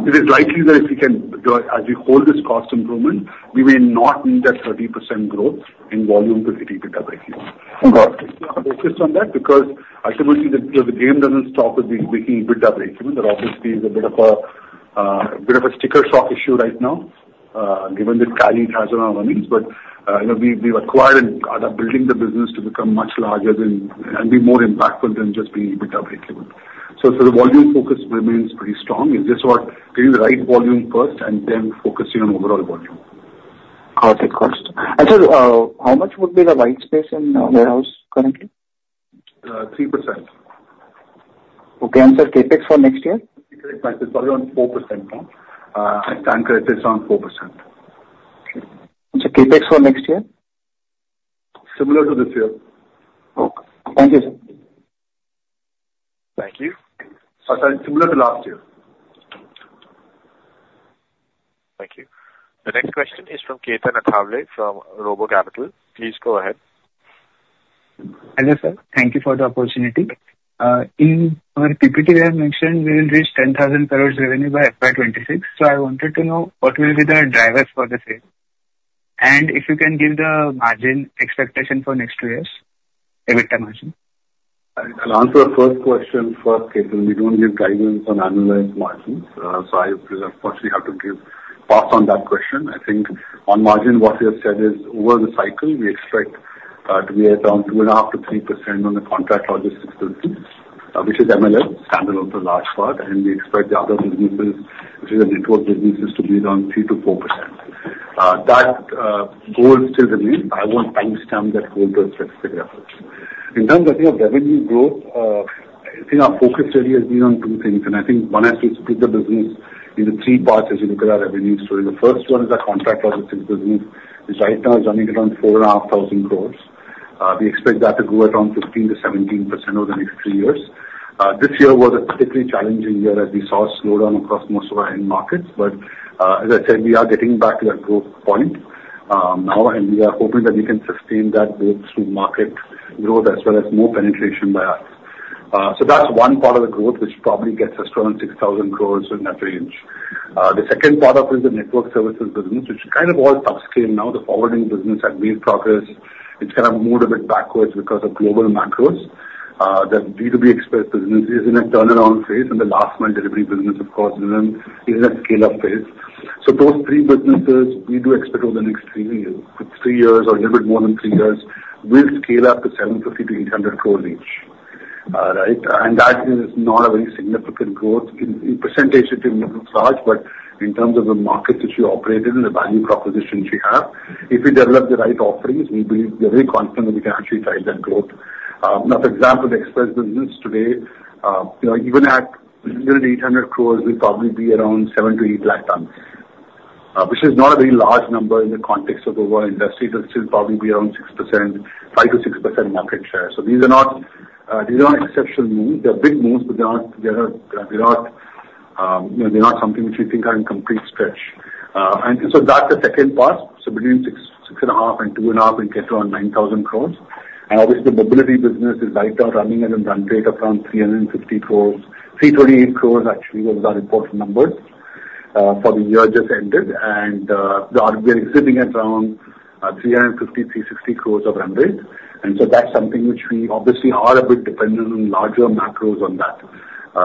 It is likely that if we can, as we hold this cost improvement, we may not need that 30% growth in volume to hit EBITDA breakeven. Got it. We are focused on that because ultimately, the game doesn't stop with breaking EBITDA breakeven. There obviously is a bit of a sticker shock issue right now, given the carry it has on our earnings. But, you know, we've acquired and are building the business to become much larger than and be more impactful than just being EBITDA breakeven. So the volume focus remains pretty strong. It's just about getting the right volume first and then focusing on overall volume. Got it. Got it. And sir, how much would be the white space in the warehouse currently? 3%. Okay, and sir, CapEx for next year? Sorry, on 4%. I think our is around 4%. Okay. So CapEx for next year? Similar to this year. Okay. Thank you, sir. Thank you. Oh, sorry, similar to last year. Thank you. The next question is from Ketan Athavale from RoboCapital. Please go ahead. Hello, sir. Thank you for the opportunity. In our PPT, we have mentioned we will reach 10,000 crores revenue by FY 2026. So I wanted to know what will be the drivers for the same? And if you can give the margin expectation for next two years, EBITDA margin? I'll answer the first question first, Ketan. We don't give guidance on annualized margins, so of course, we have to pass on that question. I think on margin, what we have said is, over the cycle, we expect to be around 2.5%-3% on the contract logistics business, which is MLL, standalone for large part, and we expect the other businesses, which is the network businesses, to be around 3%-4%. That goal still remains. I won't timestamp that goal, but it's clear. In terms, I think, of revenue growth, I think our focus really has been on two things, and I think one has to split the business into three parts as you look at our revenue story. The first one is our contract logistics business, which right now is running around 4,500 crores. We expect that to grow at around 15%-17% over the next three years. This year was a particularly challenging year as we saw a slowdown across most of our end markets. But, as I said, we are getting back to that growth point, now, and we are hoping that we can sustain that growth through market growth as well as more penetration by us. So that's one part of the growth, which probably gets us around 6,000 crores in that range. The second part of it is the network services business, which kind of all upscale now. The forwarding business had made progress. It's kind of moved a bit backwards because of global macros. The B2B Express business is in a turnaround phase, and the last mile delivery business, of course, is in a scale-up phase. So those three businesses, we do expect over the next three years, three years or a little bit more than three years, will scale up to 750-800 crores each. Right? That is not a very significant growth. In percentage, it may look large, but in terms of the markets which we operate in and the value propositions we have, if we develop the right offerings, we believe we are very confident that we can actually drive that growth. Now, for example, the express business today, you know, even at 800 crores, will probably be around 700,000-800,000 tons, which is not a very large number in the context of the world industry. That's still probably be around 6%, 5%-6% market share. So these are not, these are not exceptional moves. They're big moves, but they are, they are, they're not, you know, they're not something which we think are in complete stretch. And so that's the second part. So between six, 6.5 and 2.5, we get around 9,000 crore. And obviously, the mobility business is right now running at a run rate of around 360 crore. 328 crore, actually, was our important number, for the year just ended. And, we are sitting at around, 350, 360 crore of run rate. And so that's something which we obviously are a bit dependent on larger macros on that,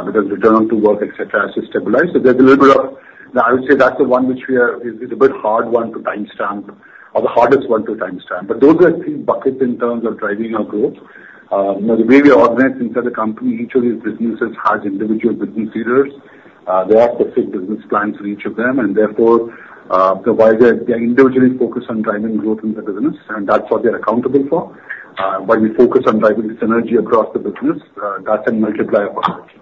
because return to work, et cetera, is stabilized. So there's a little bit of—I would say that's the one which is a bit hard one to timestamp or the hardest one to timestamp. But those are three buckets in terms of driving our growth. You know, the way we are organized inside the company, each of these businesses has individual business leaders. They all have specific business plans for each of them, and therefore, they are individually focused on driving growth in the business, and that's what they are accountable for. But we focus on driving the synergy across the business. That's a multiplier effect.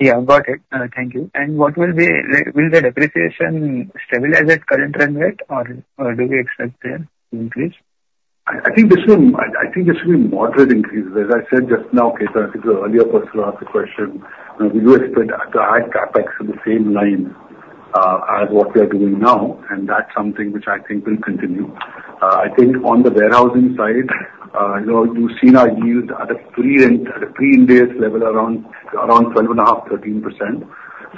Yeah, got it. Thank you. And what will be, will the depreciation stabilize at current run rate or do we expect further increase? I think there should be moderate increases. As I said just now, Ketan, I think the earlier person who asked the question, we do expect to add CapEx in the same line as what we are doing now, and that's something which I think will continue. I think on the warehousing side, you know, you've seen our yields at a pre-rent, at a pre-indias level, around 12.5, 13%.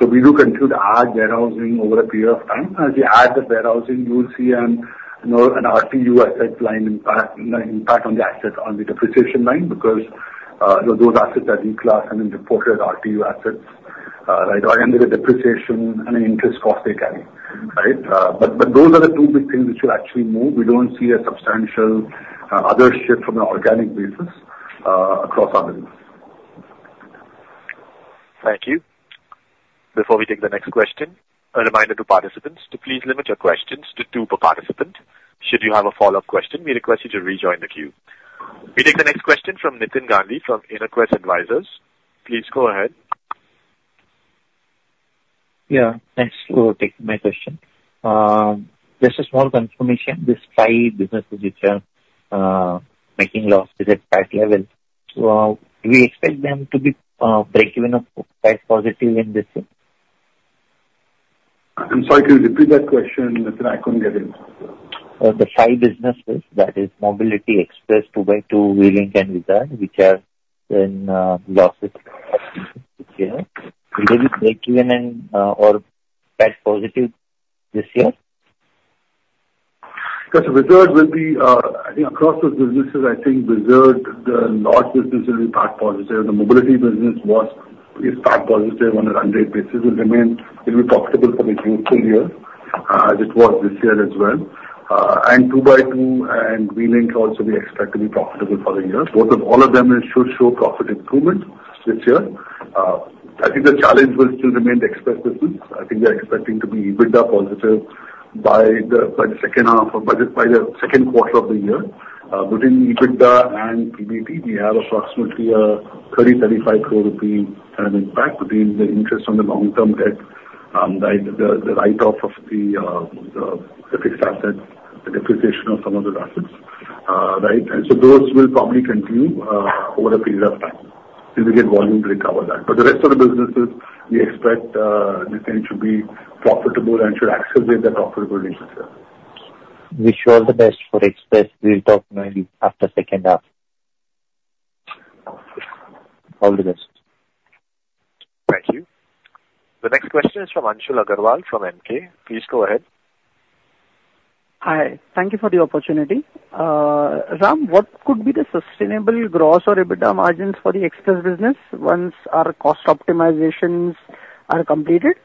So we do continue to add warehousing over a period of time. As you add the warehousing, you'll see, you know, an RTO asset line impact on the asset, on the depreciation line, because those assets are in class and in reported RTO assets. Right, and there's a depreciation and an interest cost they carry, right? But those are the two big things which will actually move. We don't see a substantial other shift from an organic basis across our business. Thank you. Before we take the next question, a reminder to participants to please limit your questions to two per participant. Should you have a follow-up question, we request you to rejoin the queue. We take the next question from Nitin Gandhi from Inoquest Advisors. Please go ahead. Yeah, thanks for taking my question. Just a small confirmation, these five businesses which are making losses at that level, so do we expect them to be break even or quite positive in this thing? I'm sorry, can you repeat that question, Nitin? I couldn't get it. The five businesses, that is Mobility, Express, 2x2, V-Link, and Whizzard, which are in losses this year. Will they be break even and or back positive this year? Because Whizzard will be, I think across those businesses, I think Whizzard, the large business will be part positive. The mobility business was, is part positive on a run rate basis, will remain, it'll be profitable for the full year, as it was this year as well. 2x2 and V-Link also we expect to be profitable for the year. Both of all of them should show profit improvement this year. I think the challenge will still remain the Express business. I think we are expecting to be EBITDA positive by the, by the second half or by the, by the second quarter of the year. Between EBITDA and PBT, we have approximately 30-35 crore rupee kind of impact within the interest on the long-term debt, by the write-off of the fixed assets, the depreciation of some of the assets. Right, and so those will probably continue over a period of time, until we get volume to recover that. But the rest of the businesses, we expect they tend to be profitable and should accelerate their profitability this year. Wish you all the best for Express. We'll talk maybe after second half. All the best. Thank you. The next question is from Anshul Aggarwal from Emkay. Please go ahead. Hi. Thank you for the opportunity. Ram, what could be the sustainable growth or EBITDA margins for the Express business once our cost optimizations are completed?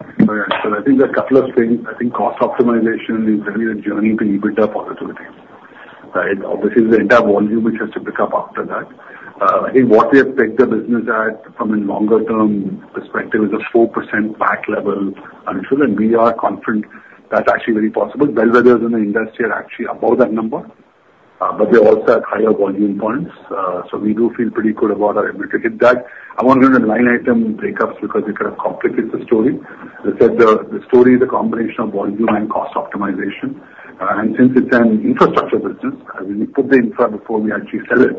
So I think there are a couple of things. I think cost optimization is really a journey to EBITDA positivity, right? Obviously, the entire volume, which has to pick up after that. I think what we have pegged the business at from a longer-term perspective is a 4% EBITDA level, Anshul, and we are confident that's actually very possible. Well, others in the industry are actually above that number, but they also have higher volume points. So we do feel pretty good about our ability to hit that. I won't go into line item breakups because it kind of complicates the story. As I said, the story is a combination of volume and cost optimization. And since it's an infrastructure business, we put the infra before we actually sell it.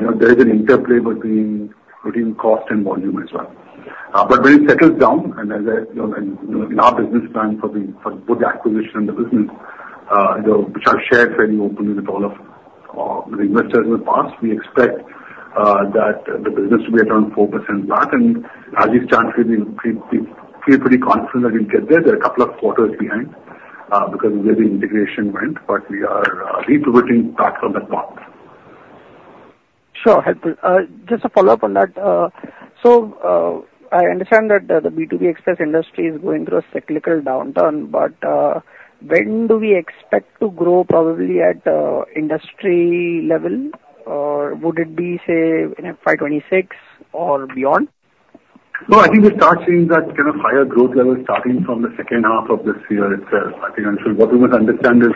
You know, there is an interplay between cost and volume as well. But when it settles down, and as I, you know, and in our business plan for the, for both the acquisition and the business, you know, which I've shared very openly with all of, the investors in the past, we expect, that the business to be around 4% back, and as you've transferred, we, we feel pretty confident that we'll get there. They're a couple of quarters behind, because where the integration went, but we are, repivoting back on that path. Sure, helpful. Just a follow-up on that. So, I understand that the B2B Express industry is going through a cyclical downturn, but when do we expect to grow probably at industry level, or would it be, say, in FY 26 or beyond? ...No, I think we start seeing that kind of higher growth level starting from the second half of this year itself. I think what we must understand is,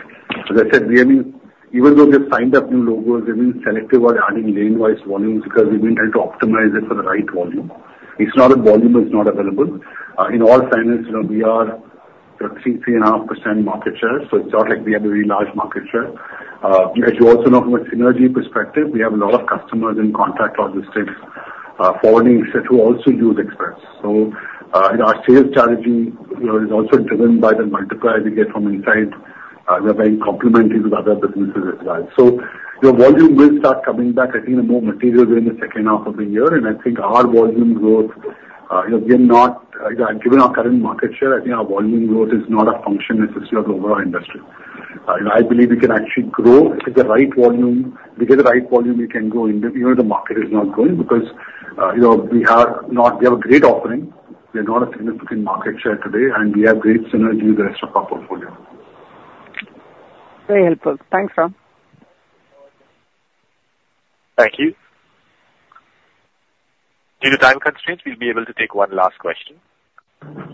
as I said, really, even though we have signed up new logos, we've been selective about adding lane-wise volumes because we've been trying to optimize it for the right volume. It's not that volume is not available. In all segments, you know, we are 3%-3.5% market share, so it's not like we have a very large market share. As you also know, from a synergy perspective, we have a lot of customers in contract logistics, forwarding set who also use Express. So, our sales strategy, you know, is also driven by the multiplier we get from inside. We are very complementary to the other businesses as well. So your volume will start coming back, I think, in more material during the second half of the year. And I think our volume growth, you know, given our current market share, I think our volume growth is not a function necessarily of the overall industry. And I believe we can actually grow at the right volume. Because the right volume, we can grow even if the market is not growing, because, you know, we are not... We have a great offering. We are not a significant market share today, and we have great synergy with the rest of our portfolio. Very helpful. Thanks, Ram. Thank you. Due to time constraints, we'll be able to take one last question.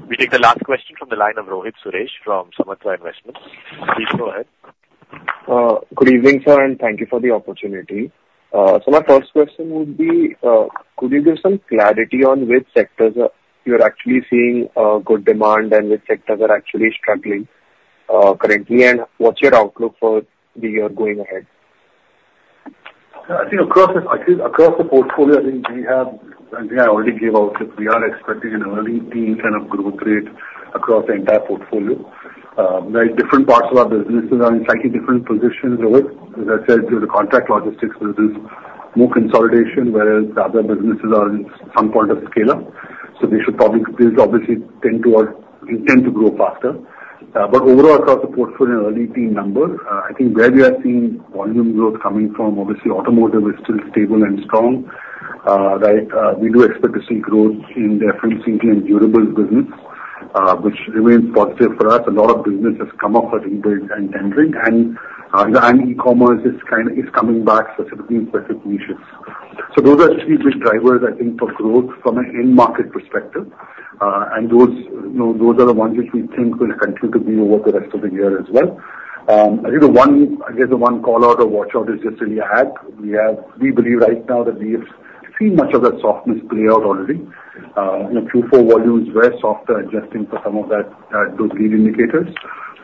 We take the last question from the line of Rohit Suresh from Samatva Investments. Please go ahead. Good evening, sir, and thank you for the opportunity. So my first question would be, could you give some clarity on which sectors you're actually seeing good demand and which sectors are actually struggling currently? And what's your outlook for the year going ahead? I think across the portfolio, I think I already gave outlook. We are expecting an early teen kind of growth rate across the entire portfolio. Right. Different parts of our businesses are in slightly different positions, Rohit. As I said, due to contract logistics, there is more consolidation, whereas the other businesses are in some point of scale-up. So they should probably, obviously tend to or intend to grow faster. But overall, across the portfolio, early teen numbers, I think where we are seeing volume growth coming from, obviously automotive is still stable and strong. Right. We do expect to see growth in the FMCG and durables business, which remains positive for us. A lot of business has come up for rebuild and drink and e-commerce is kind of coming back specifically in specific niches. So those are three big drivers, I think, for growth from an end market perspective. And those, you know, those are the ones which we think will continue to be over the rest of the year as well. I think the one, I guess, the one call out or watch out is just really Ag. We believe right now that we have seen much of that softness play out already. You know, Q4 volume is very soft, adjusting for some of that, those lead indicators.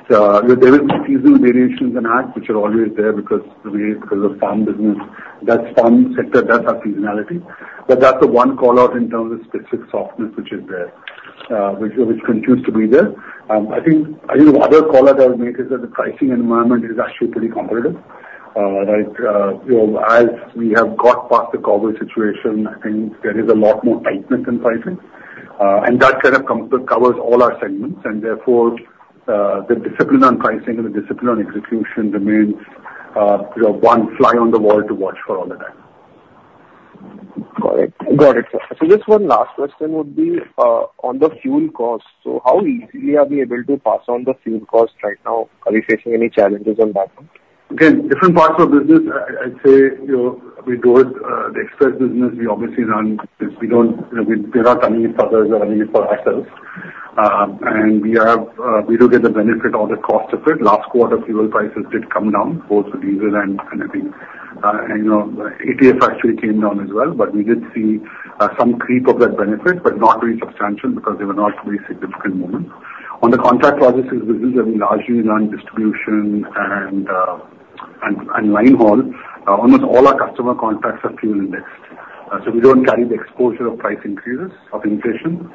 There will be seasonal variations in Ag, which are always there because the way, because of farm business, that farm sector, that's our seasonality. But that's the one call out in terms of specific softness, which is there, which continues to be there. I think the other call out I would make is that the pricing environment is actually pretty competitive. Right. You know, as we have got past the COVID situation, I think there is a lot more tightness in pricing, and that kind of covers all our segments and therefore, the discipline on pricing and the discipline on execution remains, you know, one fly on the wall to watch for all the time. Got it. Got it, sir. So just one last question would be on the fuel cost. So how easily are we able to pass on the fuel cost right now? Are we facing any challenges on that front? Again, different parts of business, I, I'd say, you know, we do it, the express business, we obviously run this. We don't... We, we're not running it for others or running it for ourselves. And we are, we do get the benefit or the cost of it. Last quarter, fuel prices did come down, both diesel and, and I think, you know, ATF actually came down as well, but we did see, some creep of that benefit, but not very substantial because they were not very significant movements. On the contract logistics business, I mean, largely run distribution and, and, and line haul. Almost all our customer contracts are fuel indexed, so we don't carry the exposure of price increases of inflation.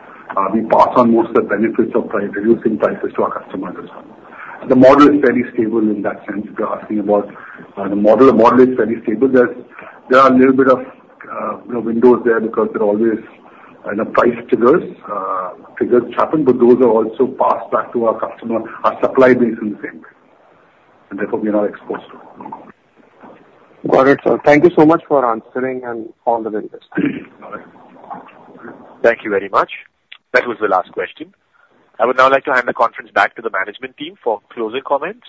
We pass on most of the benefits of price, reducing prices to our customers as well. The model is fairly stable in that sense. You're asking about the model. The model is fairly stable. There are a little bit of, you know, windows there, because there are always, you know, price triggers, triggers happen, but those are also passed back to our customer, our supply base in the same way, and therefore we are not exposed to it. Got it, sir. Thank you so much for answering and all the details. All right. Thank you very much. That was the last question. I would now like to hand the conference back to the management team for closing comments.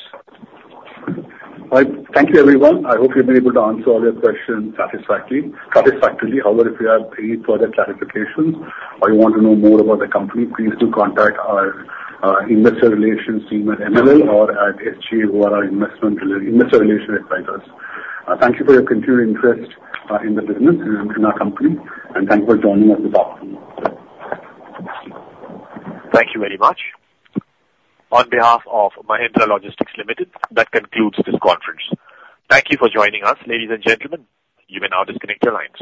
All right. Thank you, everyone. I hope we've been able to answer all your questions satisfactorily, satisfactorily. However, if you have any further clarifications or you want to know more about the company, please do contact our investor relations team at MLL or at SGA, who are our investor relations advisors. Thank you for your continued interest in the business and in our company, and thank you for joining us this afternoon. Thank you very much. On behalf of Mahindra Logistics Limited, that concludes this conference. Thank you for joining us, ladies and gentlemen. You may now disconnect your lines.